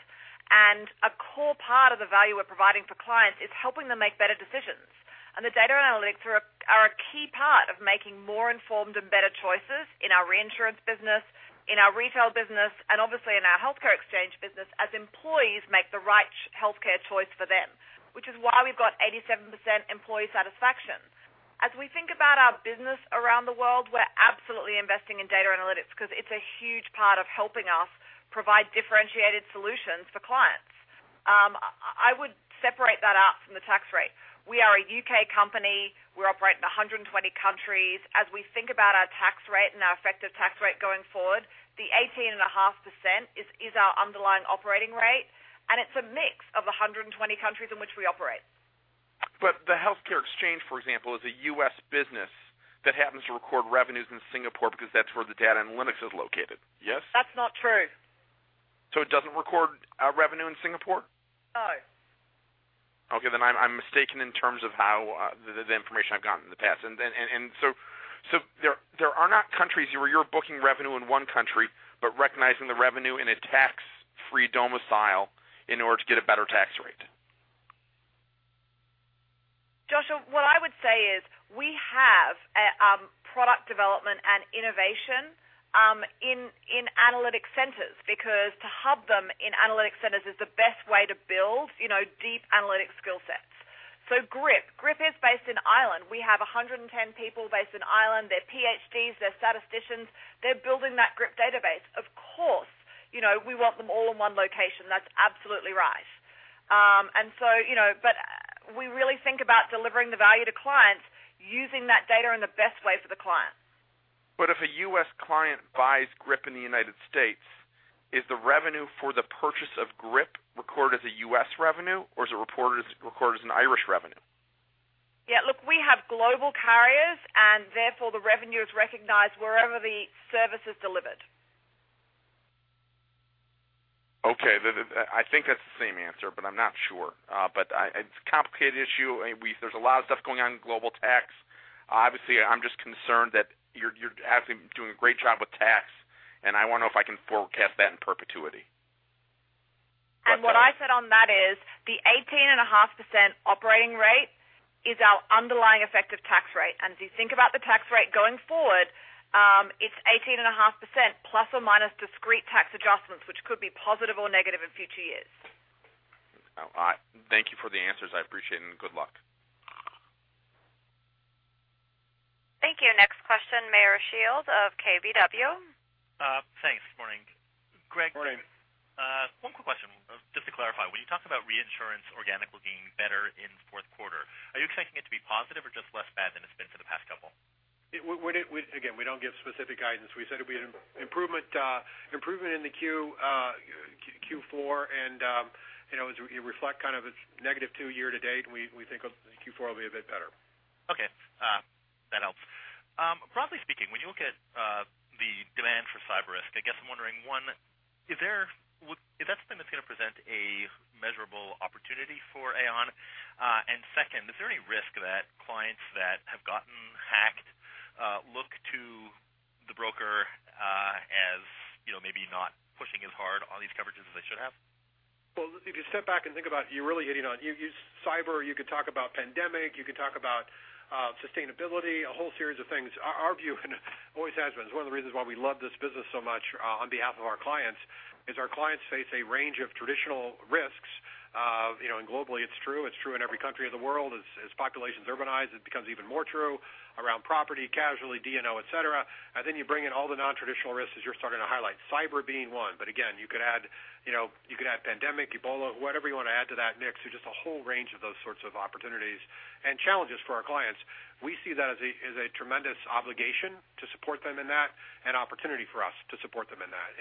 A core part of the value we're providing for clients is helping them make better decisions. The data analytics are a key part of making more informed and better choices in our reinsurance business, in our retail business, and obviously in our healthcare exchange business as employees make the right healthcare choice for them, which is why we've got 87% employee satisfaction. As we think about our business around the world, we're absolutely investing in data analytics because it's a huge part of helping us provide differentiated solutions for clients. I would separate that out from the tax rate. We are a U.K. company. We operate in 120 countries. As we think about our tax rate and our effective tax rate going forward, the 18.5% is our underlying operating rate, and it's a mix of 120 countries in which we operate. The healthcare exchange, for example, is a U.S. business that happens to record revenues in Singapore because that's where the data analytics is located. Yes? That's not true. it doesn't record revenue in Singapore? No. Okay, then I'm mistaken in terms of the information I've gotten in the past. There are not countries where you're booking revenue in one country, but recognizing the revenue in a tax-free domicile in order to get a better tax rate. Joshua, what I would say is we have product development and innovation in analytic centers because to hub them in analytic centers is the best way to build deep analytic skill sets. GRIP. GRIP is based in Ireland. We have 110 people based in Ireland. They're PhDs, they're statisticians. They're building that GRIP database. Of course, we want them all in one location. That's absolutely right. We really think about delivering the value to clients using that data in the best way for the client. if a U.S. client buys GRIP in the United States, is the revenue for the purchase of GRIP recorded as a U.S. revenue, or is it recorded as an Irish revenue? Yeah, look, we have global carriers, therefore, the revenue is recognized wherever the service is delivered. Okay. I think that's the same answer, but I'm not sure. It's a complicated issue. There's a lot of stuff going on in global tax. Obviously, I'm just concerned that you're doing a great job with tax, I want to know if I can forecast that in perpetuity. What I said on that is the 18.5% operating rate is our underlying effective tax rate. As you think about the tax rate going forward, it's 18.5% ± discrete tax adjustments, which could be positive or negative in future years. Thank you for the answers. I appreciate it, good luck. Thank you. Next question, Meyer Shields of KBW. Thanks. Good morning. Morning. Greg, one quick question just to clarify. When you talk about reinsurance organic looking better in the fourth quarter, are you expecting it to be positive? Again, we don't give specific guidance. We said it'd be an improvement in the Q4 and as you reflect kind of its negative two year to date, we think Q4 will be a bit better. Okay. That helps. Broadly speaking, when you look at the demand for cyber risk, I guess I'm wondering, one, is that something that's going to present a measurable opportunity for Aon? Second, is there any risk that clients that have gotten hacked look to the broker as maybe not pushing as hard on these coverages as they should have? Well, if you step back and think about it, you're really hitting on cyber, you could talk about pandemic, you could talk about sustainability, a whole series of things. Our view and always has been, it's one of the reasons why we love this business so much on behalf of our clients, is our clients face a range of traditional risks. Globally it's true. It's true in every country of the world. As populations urbanize, it becomes even more true around property casualty, D&O, et cetera. Then you bring in all the non-traditional risks as you're starting to highlight, cyber being one. Again, you could add pandemic, Ebola, whatever you want to add to that, Meyer. Just a whole range of those sorts of opportunities and challenges for our clients. We see that as a tremendous obligation to support them in that and opportunity for us to support them in that.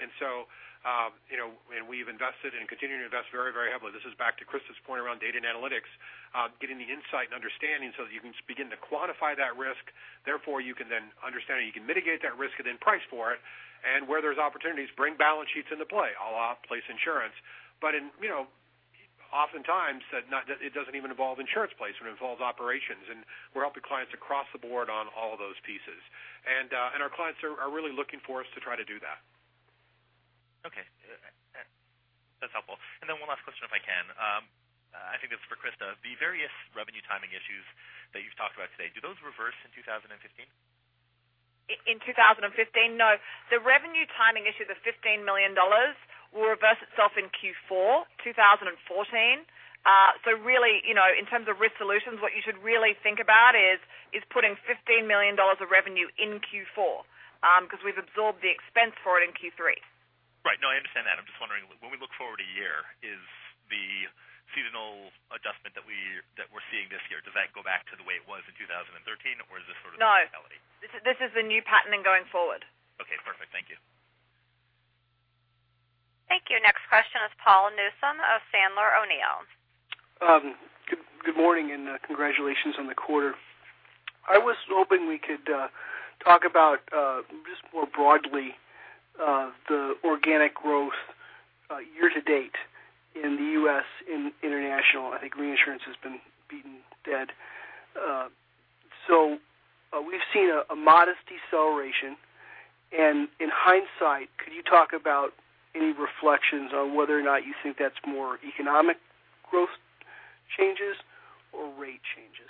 We've invested and continue to invest very heavily. This is back to Christa's point around data and analytics, getting the insight and understanding so that you can begin to quantify that risk. Therefore, you can then understand how you can mitigate that risk and then price for it. Where there's opportunities, bring balance sheets into play a la place insurance. Oftentimes, it doesn't even involve insurance placement. It involves operations, and we're helping clients across the board on all of those pieces. Our clients are really looking for us to try to do that. Okay. That's helpful. One last question, if I can. I think this is for Christa. The various revenue timing issues that you've talked about today, do those reverse in 2015? In 2015? No. The revenue timing issues of $15 million will reverse itself in Q4 2014. Really, in terms of Risk Solutions, what you should really think about is putting $15 million of revenue in Q4 because we've absorbed the expense for it in Q3. Right. No, I understand that. I'm just wondering, when we look forward a year, is the seasonal adjustment that we're seeing this year, does that go back to the way it was in 2013 or is this sort of the new reality? No. This is the new pattern then going forward. Okay, perfect. Thank you. Thank you. Next question is Paul Newsome of Sandler O'Neill. Good morning and congratulations on the quarter. I was hoping we could talk about just more broadly the organic growth year-to-date in the U.S., in international. I think reinsurance has been beaten dead. We've seen a modest deceleration, and in hindsight, could you talk about any reflections on whether or not you think that's more economic growth changes or rate changes?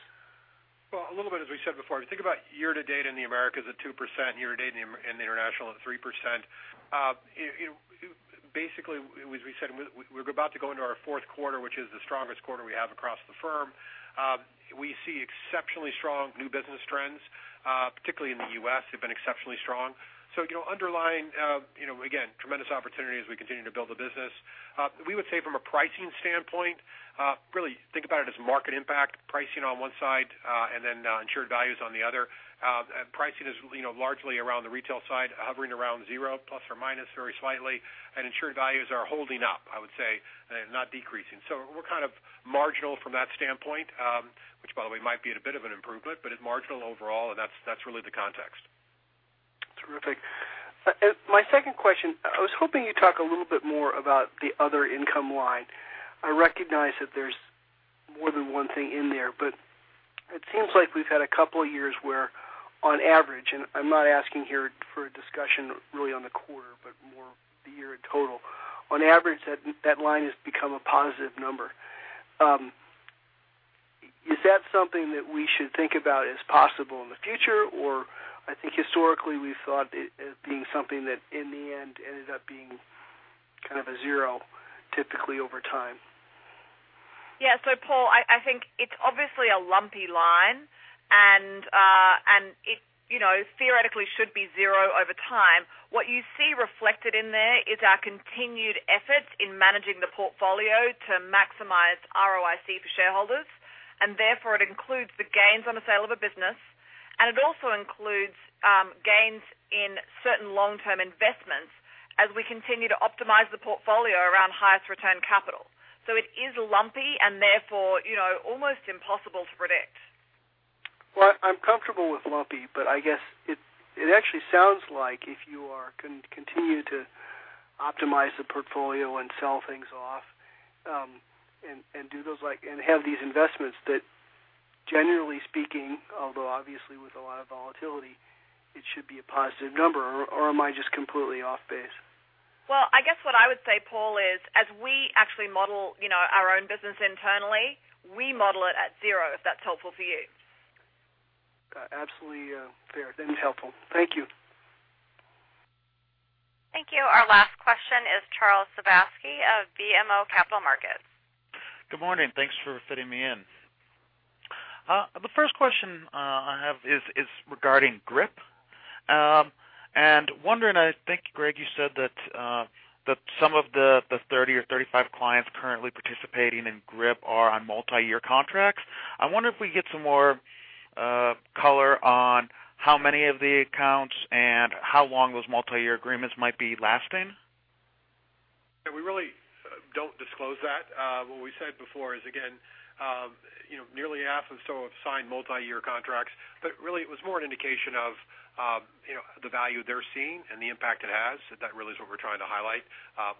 Well, a little bit, as we said before, if you think about year-to-date in the Americas at 2%, year-to-date in the international at 3%, basically as we said, we're about to go into our fourth quarter, which is the strongest quarter we have across the firm. We see exceptionally strong new business trends, particularly in the U.S. have been exceptionally strong. Underlying, again, tremendous opportunity as we continue to build the business. We would say from a pricing standpoint really think about it as market impact pricing on one side and then insured values on the other. Pricing is largely around the retail side, hovering around zero ± very slightly, and insured values are holding up, I would say, not decreasing. We're kind of marginal from that standpoint. Which by the way, might be at a bit of an improvement, but is marginal overall, and that's really the context. Terrific. My second question, I was hoping you'd talk a little bit more about the other income line. I recognize that there's more than one thing in there, but it seems like we've had a couple of years where on average, and I'm not asking here for a discussion really on the quarter, but more the year in total. On average, that line has become a positive number. Is that something that we should think about as possible in the future? I think historically we've thought it as being something that in the end ended up being kind of a zero typically over time. Yeah. Paul, I think it's obviously a lumpy line and it theoretically should be zero over time. What you see reflected in there is our continued efforts in managing the portfolio to maximize ROIC for shareholders, and therefore it includes the gains on the sale of a business, and it also includes gains in certain long-term investments as we continue to optimize the portfolio around highest return capital. It is lumpy and therefore almost impossible to predict. Well, I'm comfortable with lumpy, but I guess it actually sounds like if you continue to optimize the portfolio and sell things off and have these investments, that generally speaking, although obviously with a lot of volatility, it should be a positive number or am I just completely off base? Well, I guess what I would say, Paul, is as we actually model our own business internally, we model it at zero, if that's helpful for you. Absolutely. Fair. That is helpful. Thank you. Thank you. Our last question is Charles Sebaski of BMO Capital Markets. Good morning. Thanks for fitting me in. The first question I have is regarding GRIP. Wondering, I think, Greg, you said that some of the 30 or 35 clients currently participating in GRIP are on multi-year contracts. I wonder if we get some more color on how many of the accounts and how long those multi-year agreements might be lasting. Yeah, we really don't disclose that. What we said before is, again, nearly half and so have signed multi-year contracts. Really, it was more an indication of the value they're seeing and the impact it has. That really is what we're trying to highlight.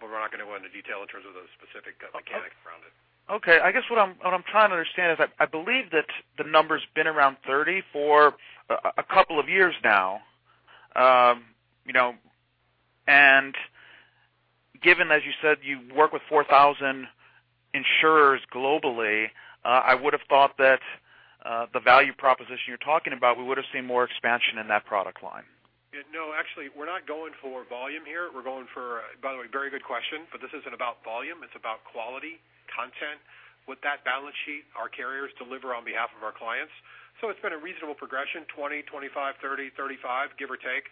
We're not going to go into detail in terms of the specific mechanics around it. Okay. I guess what I'm trying to understand is I believe that the number's been around 30 for a couple of years now. Given, as you said, you work with 4,000 insurers globally, I would've thought that the value proposition you're talking about, we would've seen more expansion in that product line. No, actually, we're not going for volume here. By the way, very good question, this isn't about volume, it's about quality content. With that balance sheet, our carriers deliver on behalf of our clients. It's been a reasonable progression, 20, 25, 30, 35, give or take.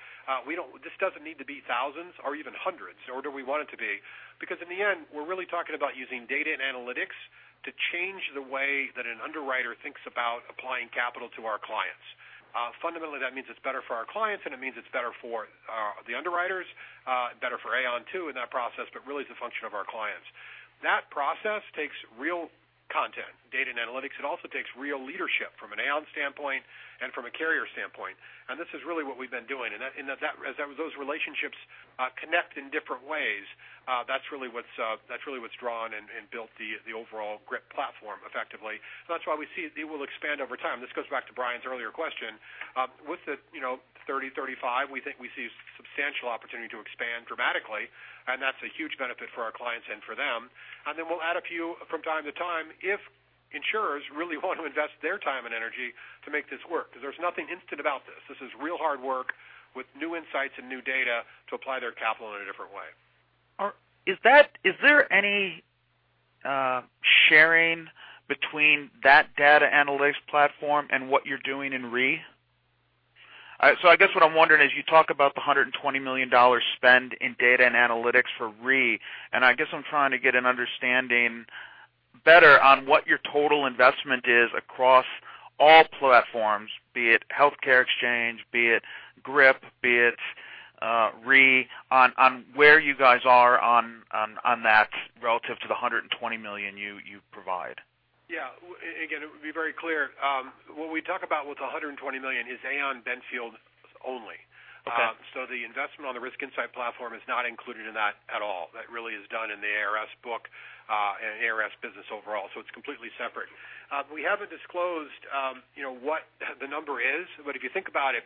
This doesn't need to be thousands or even hundreds, nor do we want it to be. In the end, we're really talking about using data and analytics to change the way that an underwriter thinks about applying capital to our clients. Fundamentally, that means it's better for our clients, it means it's better for the underwriters, better for Aon too in that process, really it's a function of our clients. That process takes real content, data and analytics. It also takes real leadership from an Aon standpoint and from a carrier standpoint. This is really what we've been doing. As those relationships connect in different ways, that's really what's drawn and built the overall GRIP platform effectively. That's why we see it will expand over time. This goes back to Brian's earlier question. With the 30, 35, we think we see substantial opportunity to expand dramatically, that's a huge benefit for our clients and for them. Then we'll add a few from time to time if insurers really want to invest their time and energy to make this work, there's nothing instant about this. This is real hard work with new insights and new data to apply their capital in a different way. Is there any sharing between that data analytics platform and what you're doing in Re? I guess what I'm wondering is, you talk about the $120 million spend in data and analytics for Re, I guess I'm trying to get an understanding better on what your total investment is across all platforms, be it eHealth, be it GRIP, be it Re, on where you guys are on that relative to the $120 million you provide. Again, it would be very clear. What we talk about with the $120 million is Aon Benfield only. Okay. The investment on the risk insight platform is not included in that at all. That really is done in the ARS book, and ARS business overall. It's completely separate. We haven't disclosed what the number is, but if you think about it,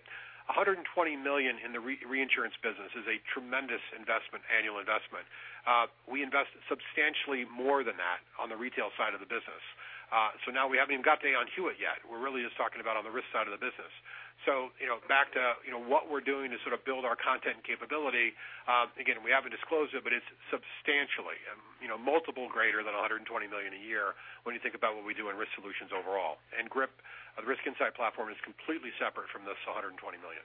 $120 million in the reinsurance business is a tremendous annual investment. We invest substantially more than that on the retail side of the business. Now we haven't even got to Aon Hewitt yet. We're really just talking about on the risk side of the business. Back to what we're doing to sort of build our content capability. Again, we haven't disclosed it, but it's substantially, multiple greater than $120 million a year when you think about what we do in Risk Solutions overall. GRIP, the risk insight platform, is completely separate from this $120 million.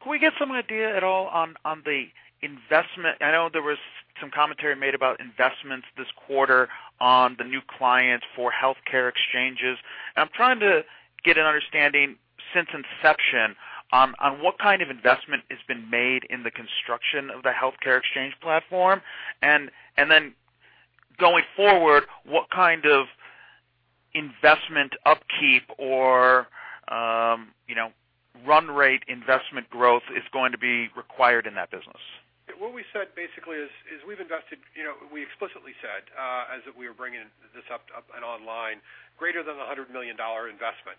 Could we get some idea at all on the investment? I know there was some commentary made about investments this quarter on the new clients for healthcare exchanges. I'm trying to get an understanding since inception on what kind of investment has been made in the construction of the healthcare exchange platform. Then going forward, what kind of investment upkeep or run rate investment growth is going to be required in that business? What we said basically is we've invested, we explicitly said, as we were bringing this up and online, greater than $100 million investment.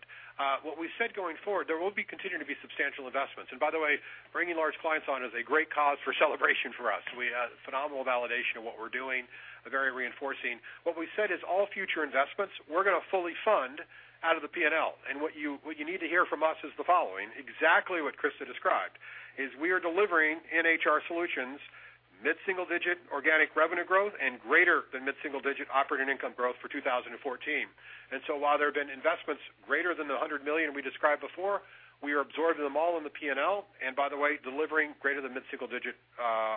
What we said going forward, there will be continuing to be substantial investments. By the way, bringing large clients on is a great cause for celebration for us. We have phenomenal validation of what we're doing, very reinforcing. What we said is all future investments, we're going to fully fund out of the P&L. What you need to hear from us is the following, exactly what Christa described, is we are delivering in HR Solutions mid-single-digit organic revenue growth and greater than mid-single-digit operating income growth for 2014. While there have been investments greater than the $100 million we described before, we are absorbing them all in the P&L, and by the way, delivering greater than mid-single-digit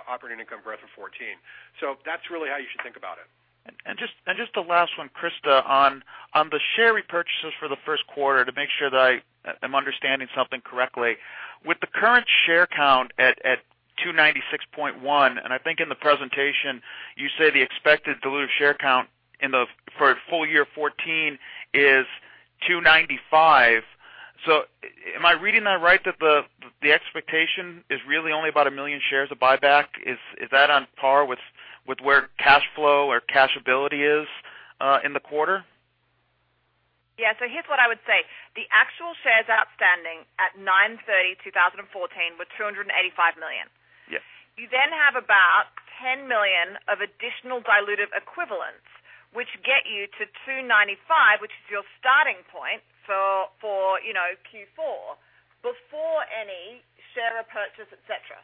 operating income growth for 2014. That's really how you should think about it. Just the last one, Christa, on the share repurchases for the first quarter, to make sure that I'm understanding something correctly. With the current share count at 296.1, and I think in the presentation, you say the expected diluted share count for full year 2014 is 295. Am I reading that right, that the expectation is really only about a million shares of buyback? Is that on par with where cash flow or cash ability is in the quarter? Here's what I would say. The actual shares outstanding at September 30, 2014 were 285 million. Yes. You have about 10 million of additional diluted equivalents, which get you to 295, which is your starting point for Q4, before any share repurchase, et cetera.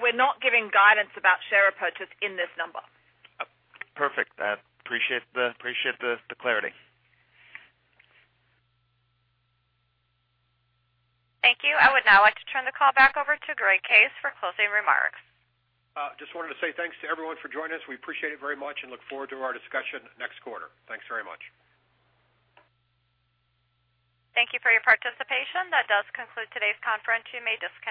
We're not giving guidance about share repurchase in this number. Perfect. I appreciate the clarity. Thank you. I would now like to turn the call back over to Greg Case for closing remarks. Just wanted to say thanks to everyone for joining us. We appreciate it very much and look forward to our discussion next quarter. Thanks very much. Thank you for your participation. That does conclude today's conference. You may disconnect.